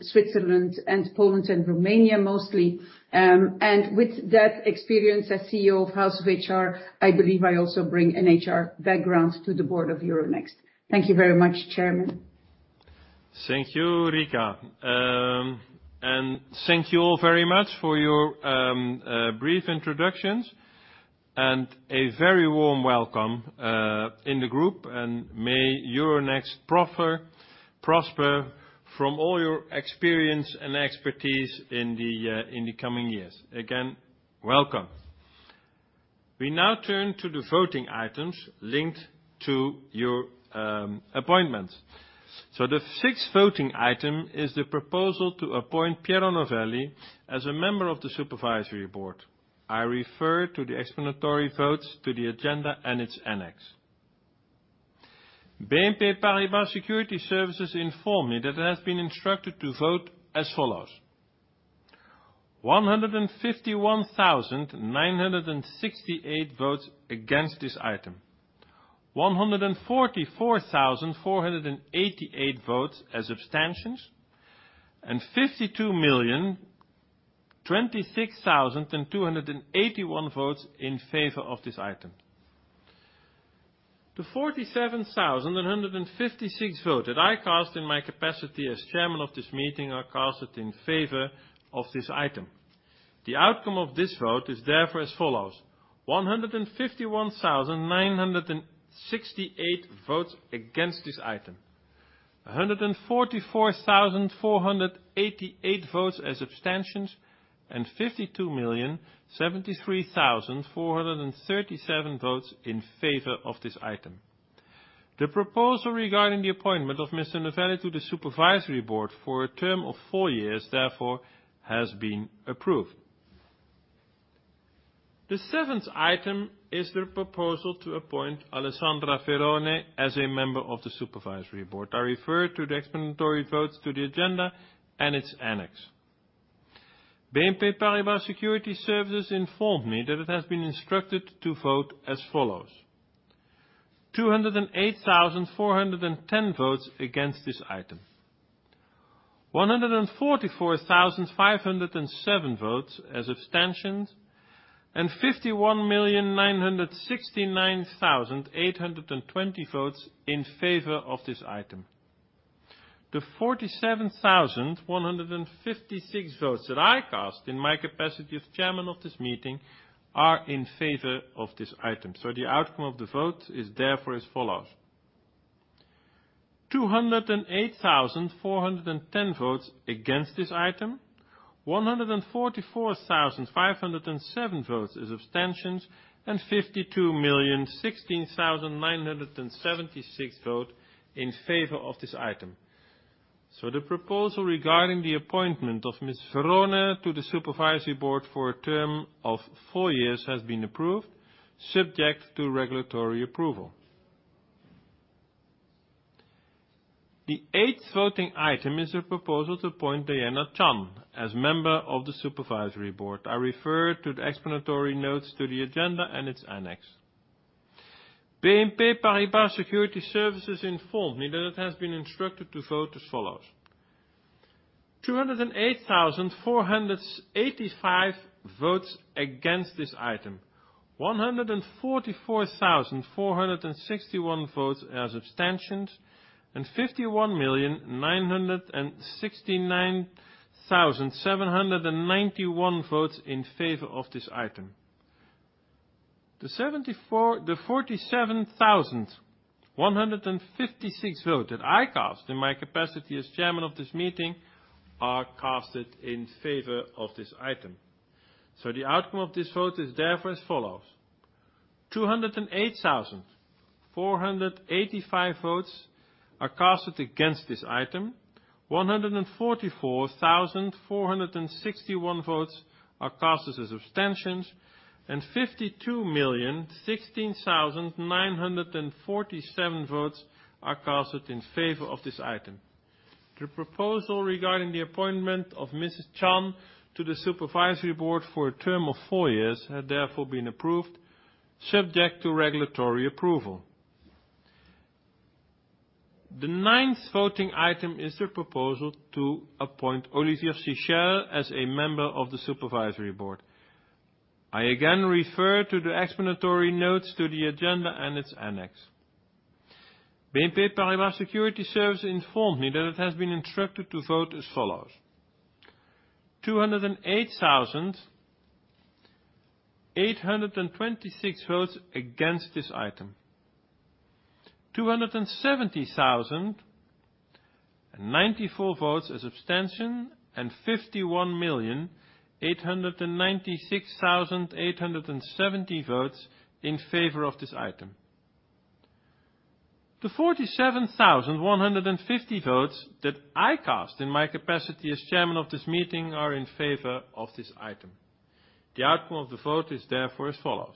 Switzerland, and Poland and Romania mostly. With that experience as CEO of House of HR, I believe I also bring an HR background to the board of Euronext. Thank you very much, Chairman. Thank you, Rika. Thank you all very much for your brief introductions and a very warm welcome in the group, and may Euronext prosper from all your experience and expertise in the coming years. Again, welcome. We now turn to the voting items linked to your appointment. The sixth voting item is the proposal to appoint Piero Novelli as a member of the Supervisory Board. I refer to the explanatory votes to the agenda and its annex. BNP Paribas Securities Services informed me that it has been instructed to vote as follows: 151,968 votes against this item, 144,488 votes as abstentions, and 52,026,281 votes in favor of this item. The 47,156 vote that I cast in my capacity as Chairman of this meeting, I cast it in favor of this item. The outcome of this vote is therefore as follows: 151,968 votes against this item, 144,488 votes as abstentions, and 52,073,437 votes in favor of this item. The proposal regarding the appointment of Mr. Novelli to the Supervisory Board for a term of four years, therefore, has been approved. The seventh item is the proposal to appoint Alessandra Ferone as a member of the Supervisory Board. I refer to the explanatory votes to the agenda and its annex. BNP Paribas Securities Services informed me that it has been instructed to vote as follows: 208,410 votes against this item, 144,507 votes as abstentions, and 51,969,820 votes in favor of this item. The 47,156 votes that I cast in my capacity as Chairman of this meeting are in favor of this item. The outcome of the votes is therefore as follows: 208,410 votes against this item, 144,507 votes as abstentions, and 52,016,976 votes in favor of this item. The proposal regarding the appointment of Ms. Ferone to the Supervisory Board for a term of four years has been approved, subject to regulatory approval. The eighth voting item is the proposal to appoint Diana Chan as member of the Supervisory Board. I refer to the explanatory notes to the agenda and its annex. BNP Paribas Securities Services informed me that it has been instructed to vote as follows: 208,485 votes against this item, 144,461 votes as abstentions, and 51,969,791 votes in favor of this item. The 47,156 votes that I cast in my capacity as Chairman of this meeting are casted in favor of this item. The outcome of this vote is therefore as follows: 208,485 votes are cast against this item, 144,461 votes are cast as abstentions, and 52,016,947 votes are cast in favor of this item. The proposal regarding the appointment of Mrs. Chan to the Supervisory Board for a term of four years has therefore been approved, subject to regulatory approval. The ninth voting item is the proposal to appoint Olivier Sichel as a member of the Supervisory Board. I again refer to the explanatory notes to the agenda and its annex. BNP Paribas Securities Services informed me that it has been instructed to vote as follows: 208,826 votes against this item, 217,094 votes as abstention, and 51,896,870 votes in favor of this item. The 47,150 votes that I cast in my capacity as Chairman of this meeting are in favor of this item. The outcome of the vote is therefore as follows: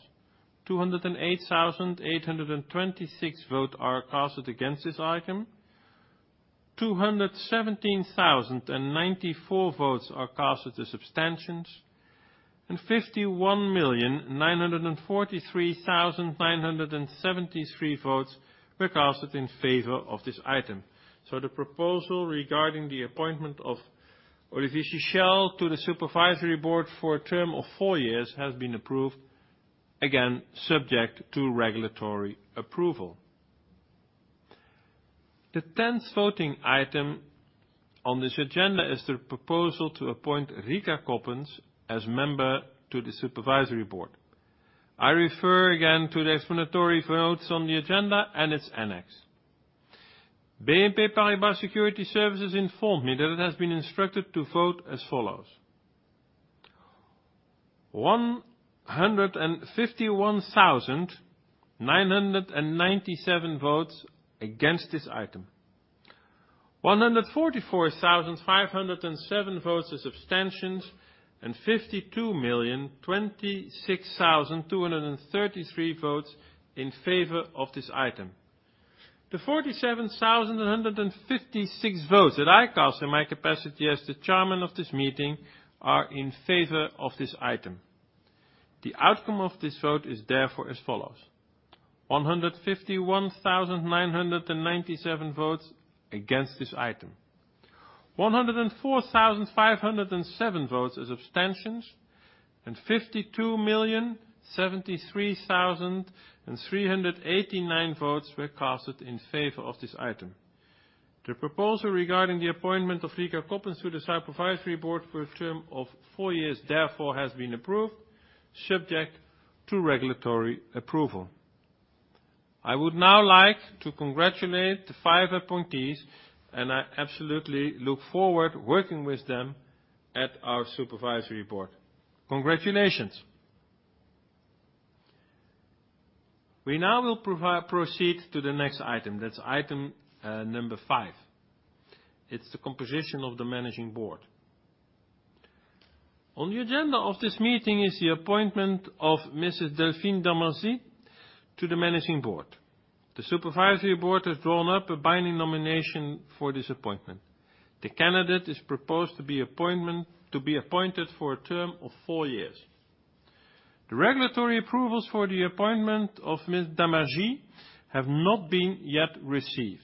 208,826 vote are casted against this item, 217,094 votes are casted as abstentions, and 51,943,973 votes were casted in favor of this item. The proposal regarding the appointment of Olivier Sichel to the Supervisory Board for a term of four years has been approved, again, subject to regulatory approval. The 10th voting item on this agenda is the proposal to appoint Rika Coppens as member to the Supervisory Board. I refer again to the explanatory votes on the agenda and its annex. BNP Paribas Securities Services informed me that it has been instructed to vote as follows: 151,997 votes against this item, 144,507 votes as abstentions, and 52,026,233 votes in favor of this item. The 47,156 votes that I cast in my capacity as the Chairman of this meeting are in favor of this item. The outcome of this vote is therefore as follows: 151,997 votes against this item, 104,507 votes as abstentions, and 52,073,389 votes were cast in favor of this item. The proposal regarding the appointment of Rika Coppens to the Supervisory Board for a term of four years therefore has been approved, subject to regulatory approval. I would now like to congratulate the five appointees, and I absolutely look forward working with them at our Supervisory Board. Congratulations. We now will proceed to the next item. That's item number five. It's the composition of the Managing Board. On the agenda of this meeting is the appointment of Mrs. Delphine d'Amarzit to the Managing Board. The Supervisory Board has drawn up a binding nomination for this appointment. The candidate is proposed to be appointed for a term of four years. The regulatory approvals for the appointment of Ms. d'Amarzit have not been yet received.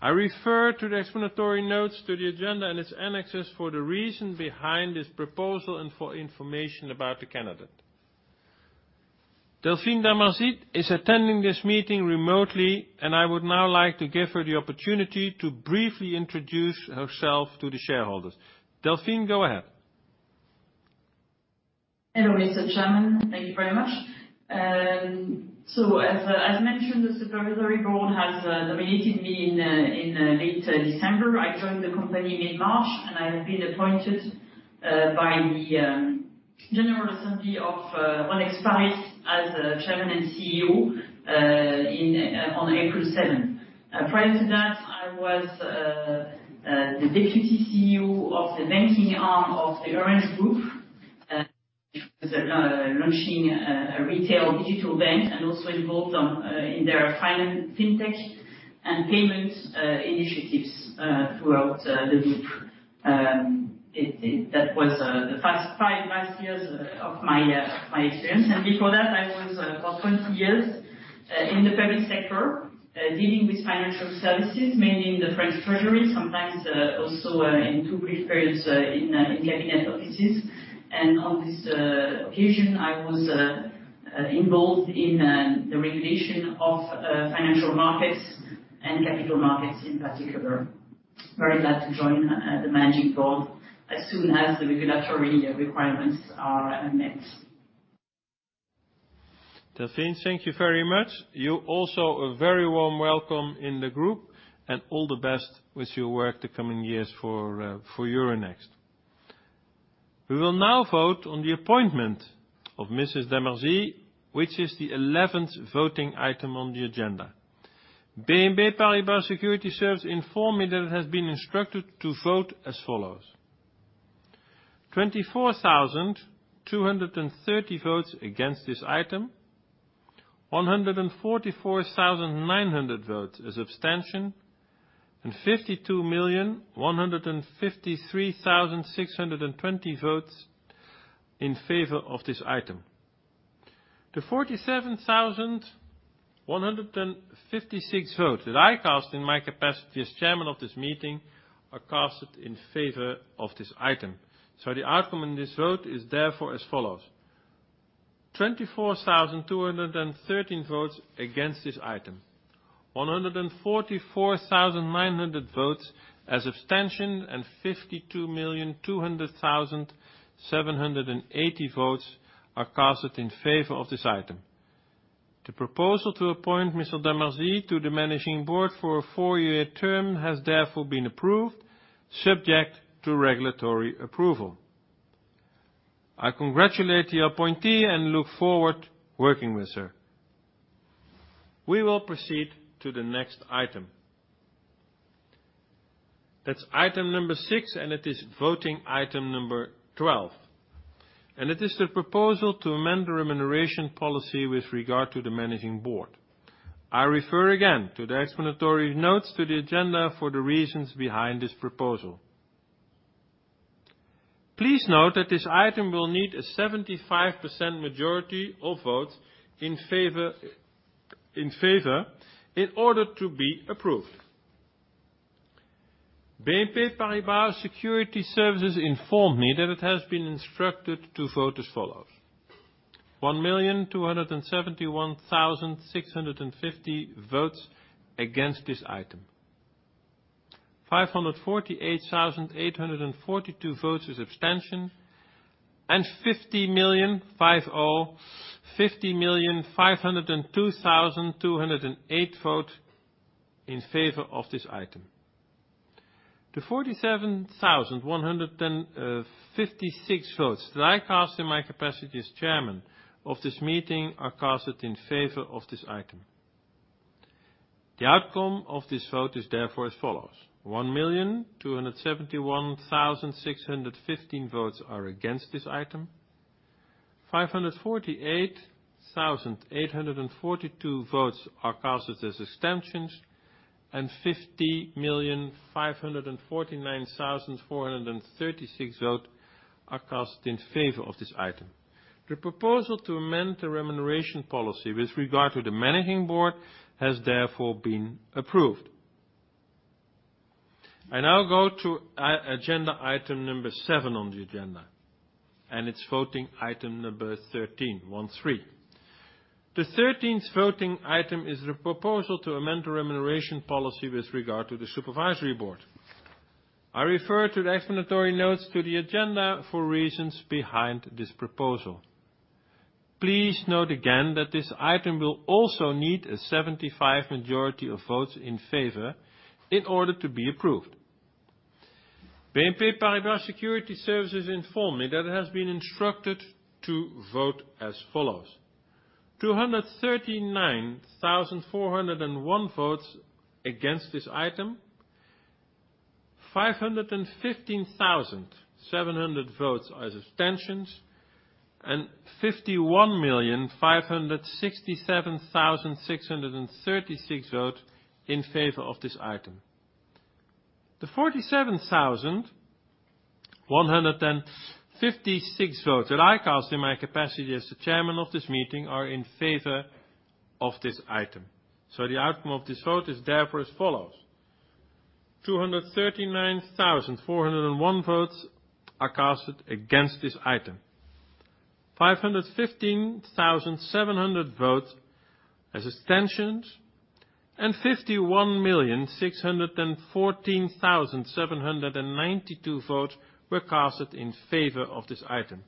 I refer to the explanatory notes to the agenda and its annexes for the reason behind this proposal and for information about the candidate. Delphine d'Amarzit is attending this meeting remotely, and I would now like to give her the opportunity to briefly introduce herself to the shareholders. Delphine, go ahead. Hello, Mr. Chairman. Thank you very much. As mentioned, the Supervisory Board has nominated me in late December. I joined the company mid-March, and I have been appointed by the general assembly of Euronext Paris as Chairman and CEO on April 7th. Prior to that, I was the Deputy CEO of the banking arm of the Orange Group, which was launching a retail digital bank and also involved in their fintech and payments initiatives throughout the group. That was the past five years of my experience. Before that, I was, for 20 years, in the public sector, dealing with financial services, mainly in the French Treasury, sometimes also in two brief periods in cabinet offices. On this occasion, I was involved in the regulation of financial markets and capital markets in particular. Very glad to join the Managing Board as soon as the regulatory requirements are met. Delphine, thank you very much. You also, a very warm welcome in the group and all the best with your work the coming years for Euronext. We will now vote on the appointment of Mrs. d'Amarzit, which is the 11th voting item on the agenda. BNP Paribas Securities Services informed me that it has been instructed to vote as follows, 24,230 votes against this item, 144,900 votes as abstention, and 52,153,620 votes in favor of this item. The 47,156 votes that I cast in my capacity as Chairman of this meeting are cast in favor of this item. The outcome in this vote is therefore as follows, 24,213 votes against this item, 144,900 votes as abstention, and 52,200,780 votes are cast in favor of this item. The proposal to appoint Mrs. d'Amarzit to the managing board for a four-year term has therefore been approved, subject to regulatory approval. I congratulate the appointee and look forward working with her. We will proceed to the next item. That's item number six, it is voting item number 12. It is the proposal to amend the remuneration policy with regard to the Managing Board. I refer again to the explanatory notes to the agenda for the reasons behind this proposal. Please note that this item will need a 75% majority of votes in favor in order to be approved. BNP Paribas Securities Services informed me that it has been instructed to vote as follows, 1,271,650 votes against this item, 548,842 votes as abstention, 50,502,208 vote in favor of this item. The 47,156 votes that I cast in my capacity as Chairman of this meeting are cast in favor of this item. The outcome of this vote is therefore as follows, 1,271,615 votes are against this item, 548,842 votes are cast as abstentions, and 50,549,436 vote are cast in favor of this item. The proposal to amend the remuneration policy with regard to the Managing Board has therefore been approved. I now go to agenda item number seven on the agenda, and its voting item number 13. The 13th voting item is the proposal to amend the remuneration policy with regard to the Supervisory Board. I refer to the explanatory notes to the agenda for reasons behind this proposal. Please note again that this item will also need a 75 majority of votes in favor in order to be approved. BNP Paribas Securities Services informed me that it has been instructed to vote as follows, 239,401 votes against this item, 515,700 votes as abstentions and 51,567,636 votes in favor of this item. The 47,156 votes that I cast in my capacity as the Chairman of this meeting are in favor of this item. The outcome of this vote is therefore as follows, 239,401 votes are cast against this item, 515,700 votes as abstentions, and 51,614,792 votes were cast in favor of this item.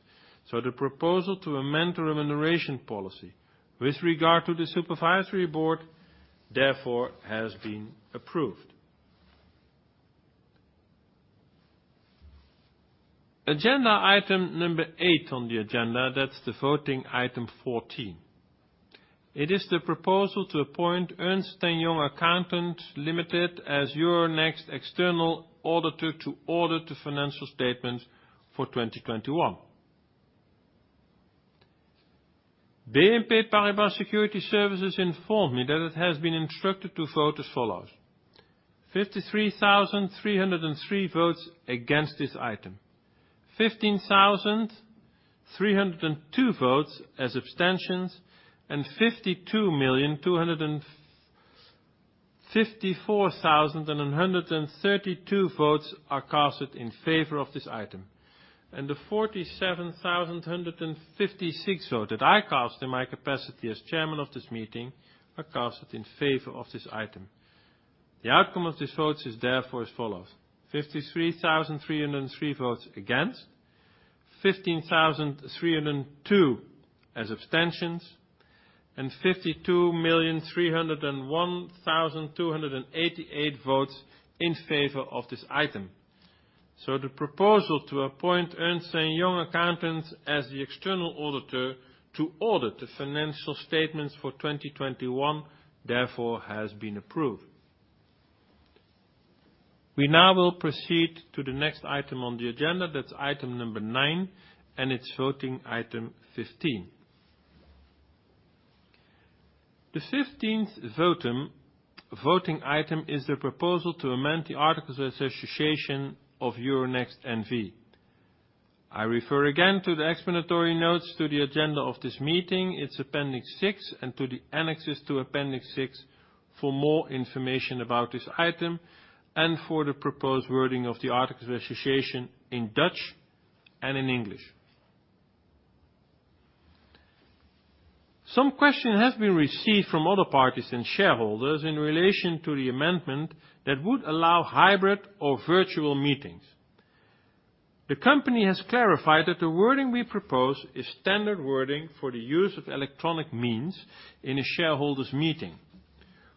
The proposal to amend the remuneration policy with regard to the Supervisory Board, therefore has been approved. Agenda item number eight on the agenda, that's the voting item 14. It is the proposal to appoint Ernst & Young Accountants LLP as Euronext external auditor to audit the financial statements for 2021. BNP Paribas Securities Services informed me that it has been instructed to vote as follows, 53,303 votes against this item, 15,302 votes as abstentions, and 52,254,132 votes are cast in favor of this item. The 47,156 vote that I cast in my capacity as Chairman of this meeting are cast in favor of this item. The outcome of these votes is therefore as follows, 53,303 votes against, 15,302 as abstentions, and 52,301,288 votes in favor of this item. The proposal to appoint Ernst & Young Accountants as the external auditor to audit the financial statements for 2021 therefore has been approved. We now will proceed to the next item on the agenda, that's item number nine, and it's voting item 15. The 15th voting item is the proposal to amend the articles of association of Euronext N.V. I refer again to the explanatory notes to the agenda of this meeting, it's appendix six, and to the annexes to appendix six for more information about this item and for the proposed wording of the articles of association in Dutch and in English. Some question has been received from other parties and shareholders in relation to the amendment that would allow hybrid or virtual meetings. The company has clarified that the wording we propose is standard wording for the use of electronic means in a shareholders' meeting,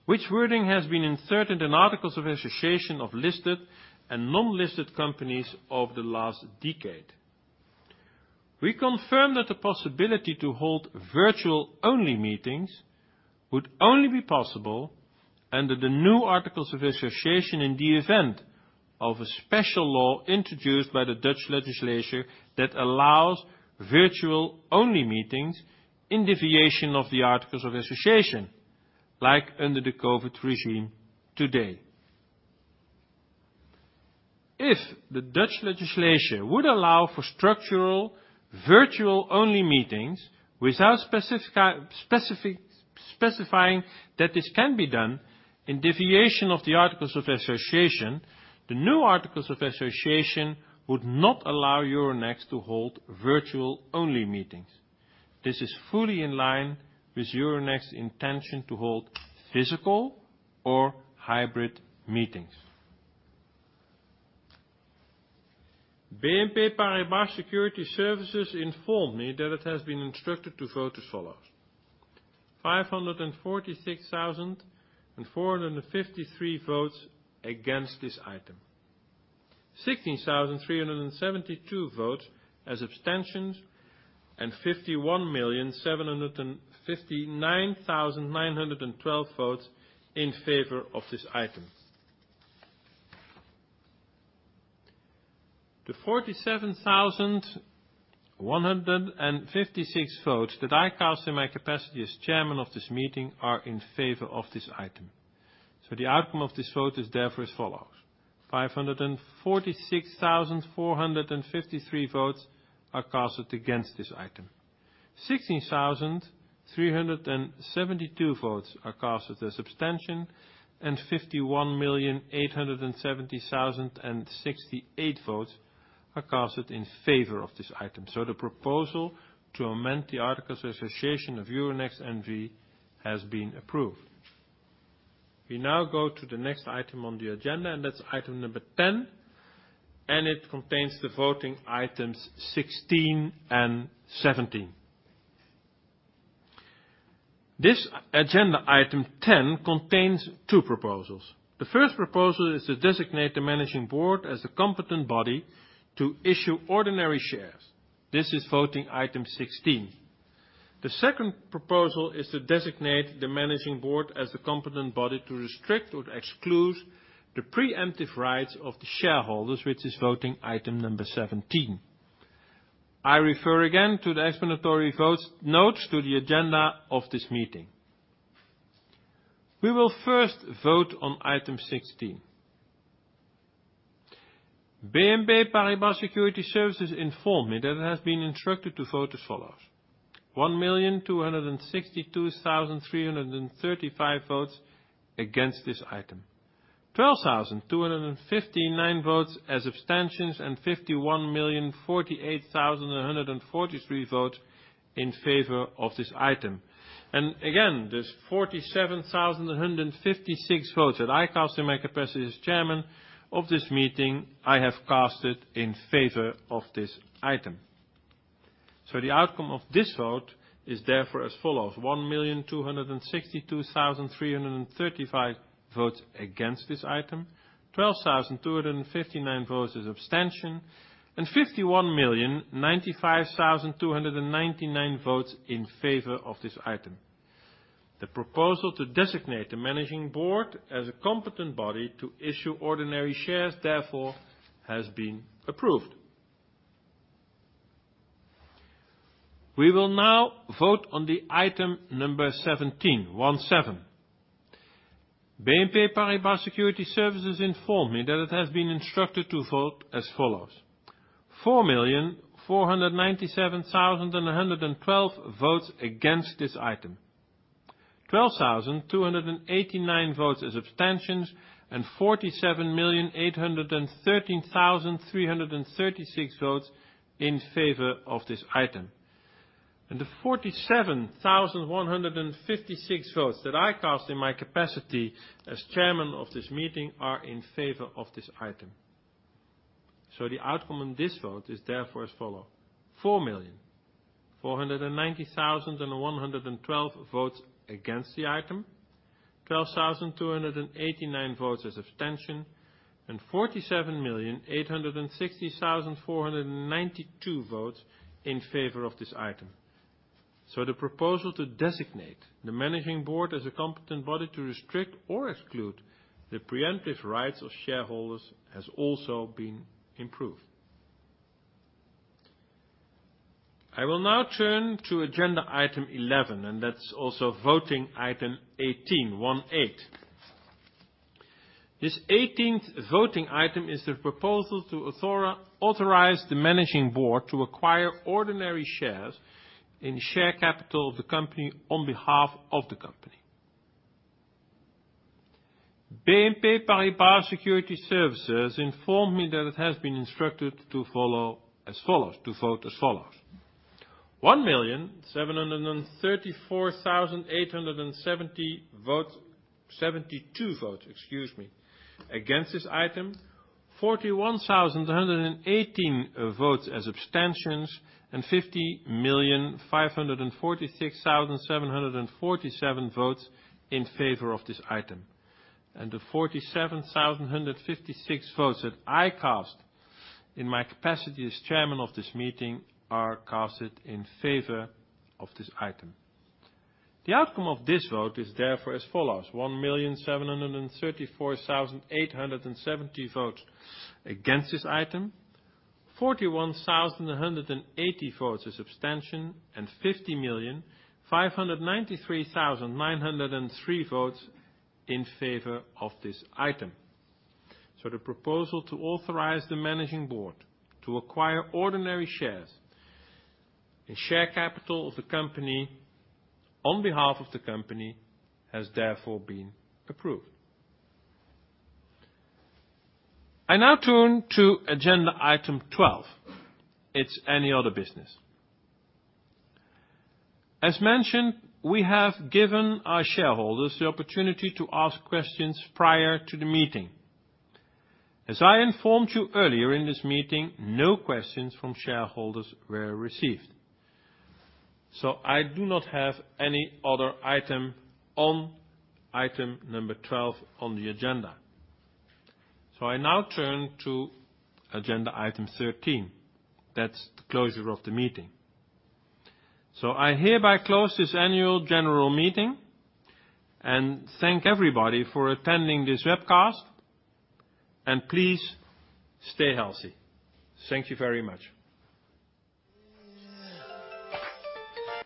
which wording has been inserted in articles of association of listed and non-listed companies over the last decade. We confirm that the possibility to hold virtual-only meetings would only be possible under the new articles of association in the event of a special law introduced by the Dutch legislature that allows virtual-only meetings in deviation of the articles of association, like under the COVID regime today. If the Dutch legislation would allow for structural virtual-only meetings without specifying that this can be done in deviation of the articles of association, the new articles of association would not allow Euronext to hold virtual-only meetings. This is fully in line with Euronext intention to hold physical or hybrid meetings. BNP Paribas Securities Services informed me that it has been instructed to vote as follows, 546,453 votes against this item, 16,372 votes as abstentions, and 51,759,912 votes in favor of this item. The 47,156 votes that I cast in my capacity as chairman of this meeting are in favor of this item. The outcome of this vote is therefore as follows, 546,453 votes are casted against this item, 16,372 votes are casted as abstention, and 51,870,068 votes are casted in favor of this item. The proposal to amend the articles of association of Euronext N.V. has been approved. We now go to the next item on the agenda, and that's item number 10, and it contains the voting items 16 and 17. This agenda item 10 contains two proposals. The first proposal is to designate the Managing Board as the competent body to issue ordinary shares. This is voting item 16. The second proposal is to designate the Managing Board as the competent body to restrict or exclude the preemptive rights of the shareholders, which is voting item number 17. I refer again to the explanatory notes to the agenda of this meeting. We will first vote on item 16. BNP Paribas Securities Services informed me that it has been instructed to vote as follows, 1,262,335 votes against this item, 12,259 votes as abstentions, and 51,048,143 votes in favor of this item. Again, there's 47,156 votes that I cast in my capacity as Chairman of this meeting, I have cast it in favor of this item. The outcome of this vote is therefore as follows, 1,262,335 votes against this item, 12,259 votes as abstention, and 51,095,299 votes in favor of this item. The proposal to designate the managing board as a competent body to issue ordinary shares, therefore, has been approved. We will now vote on the item number 17. BNP Paribas Securities Services informed me that it has been instructed to vote as follows, 4,497,112 votes against this item, 12,289 votes as abstentions, and 47,813,336 votes in favor of this item. The 47,156 votes that I cast in my capacity as Chairman of this meeting are in favor of this item. The outcome on this vote is therefore as follows, 4,490,112 votes against the item, 12,289 votes as abstention, and 47,860,492 votes in favor of this item. The proposal to designate the managing board as a competent body to restrict or exclude the preemptive rights of shareholders has also been approved. I will now turn to agenda item 11, and that's also voting item 18. This 18th voting item is the proposal to authorize the managing board to acquire ordinary shares in share capital of the company on behalf of the company. BNP Paribas Securities Services informed me that it has been instructed to vote as follows, 1,734,872 votes against this item, 41,118 votes as abstentions, and 50,546,747 votes in favor of this item. The 47,156 votes that I cast in my capacity as chairman of this meeting are cast in favor of this item. The outcome of this vote is therefore as follows, 1,734,870 votes against this item, 41,180 votes as abstention, and 50,593,903 votes in favor of this item. The proposal to authorize the Managing Board to acquire ordinary shares in share capital of the company on behalf of the company has therefore been approved. I now turn to agenda item 12. It's any other business. As mentioned, we have given our shareholders the opportunity to ask questions prior to the meeting. As I informed you earlier in this meeting, no questions from shareholders were received. I do not have any other item on item number 12 on the agenda. I now turn to agenda item 13. That's the closure of the meeting. I hereby close this Annual General Meeting and thank everybody for attending this webcast. Please stay healthy. Thank you very much.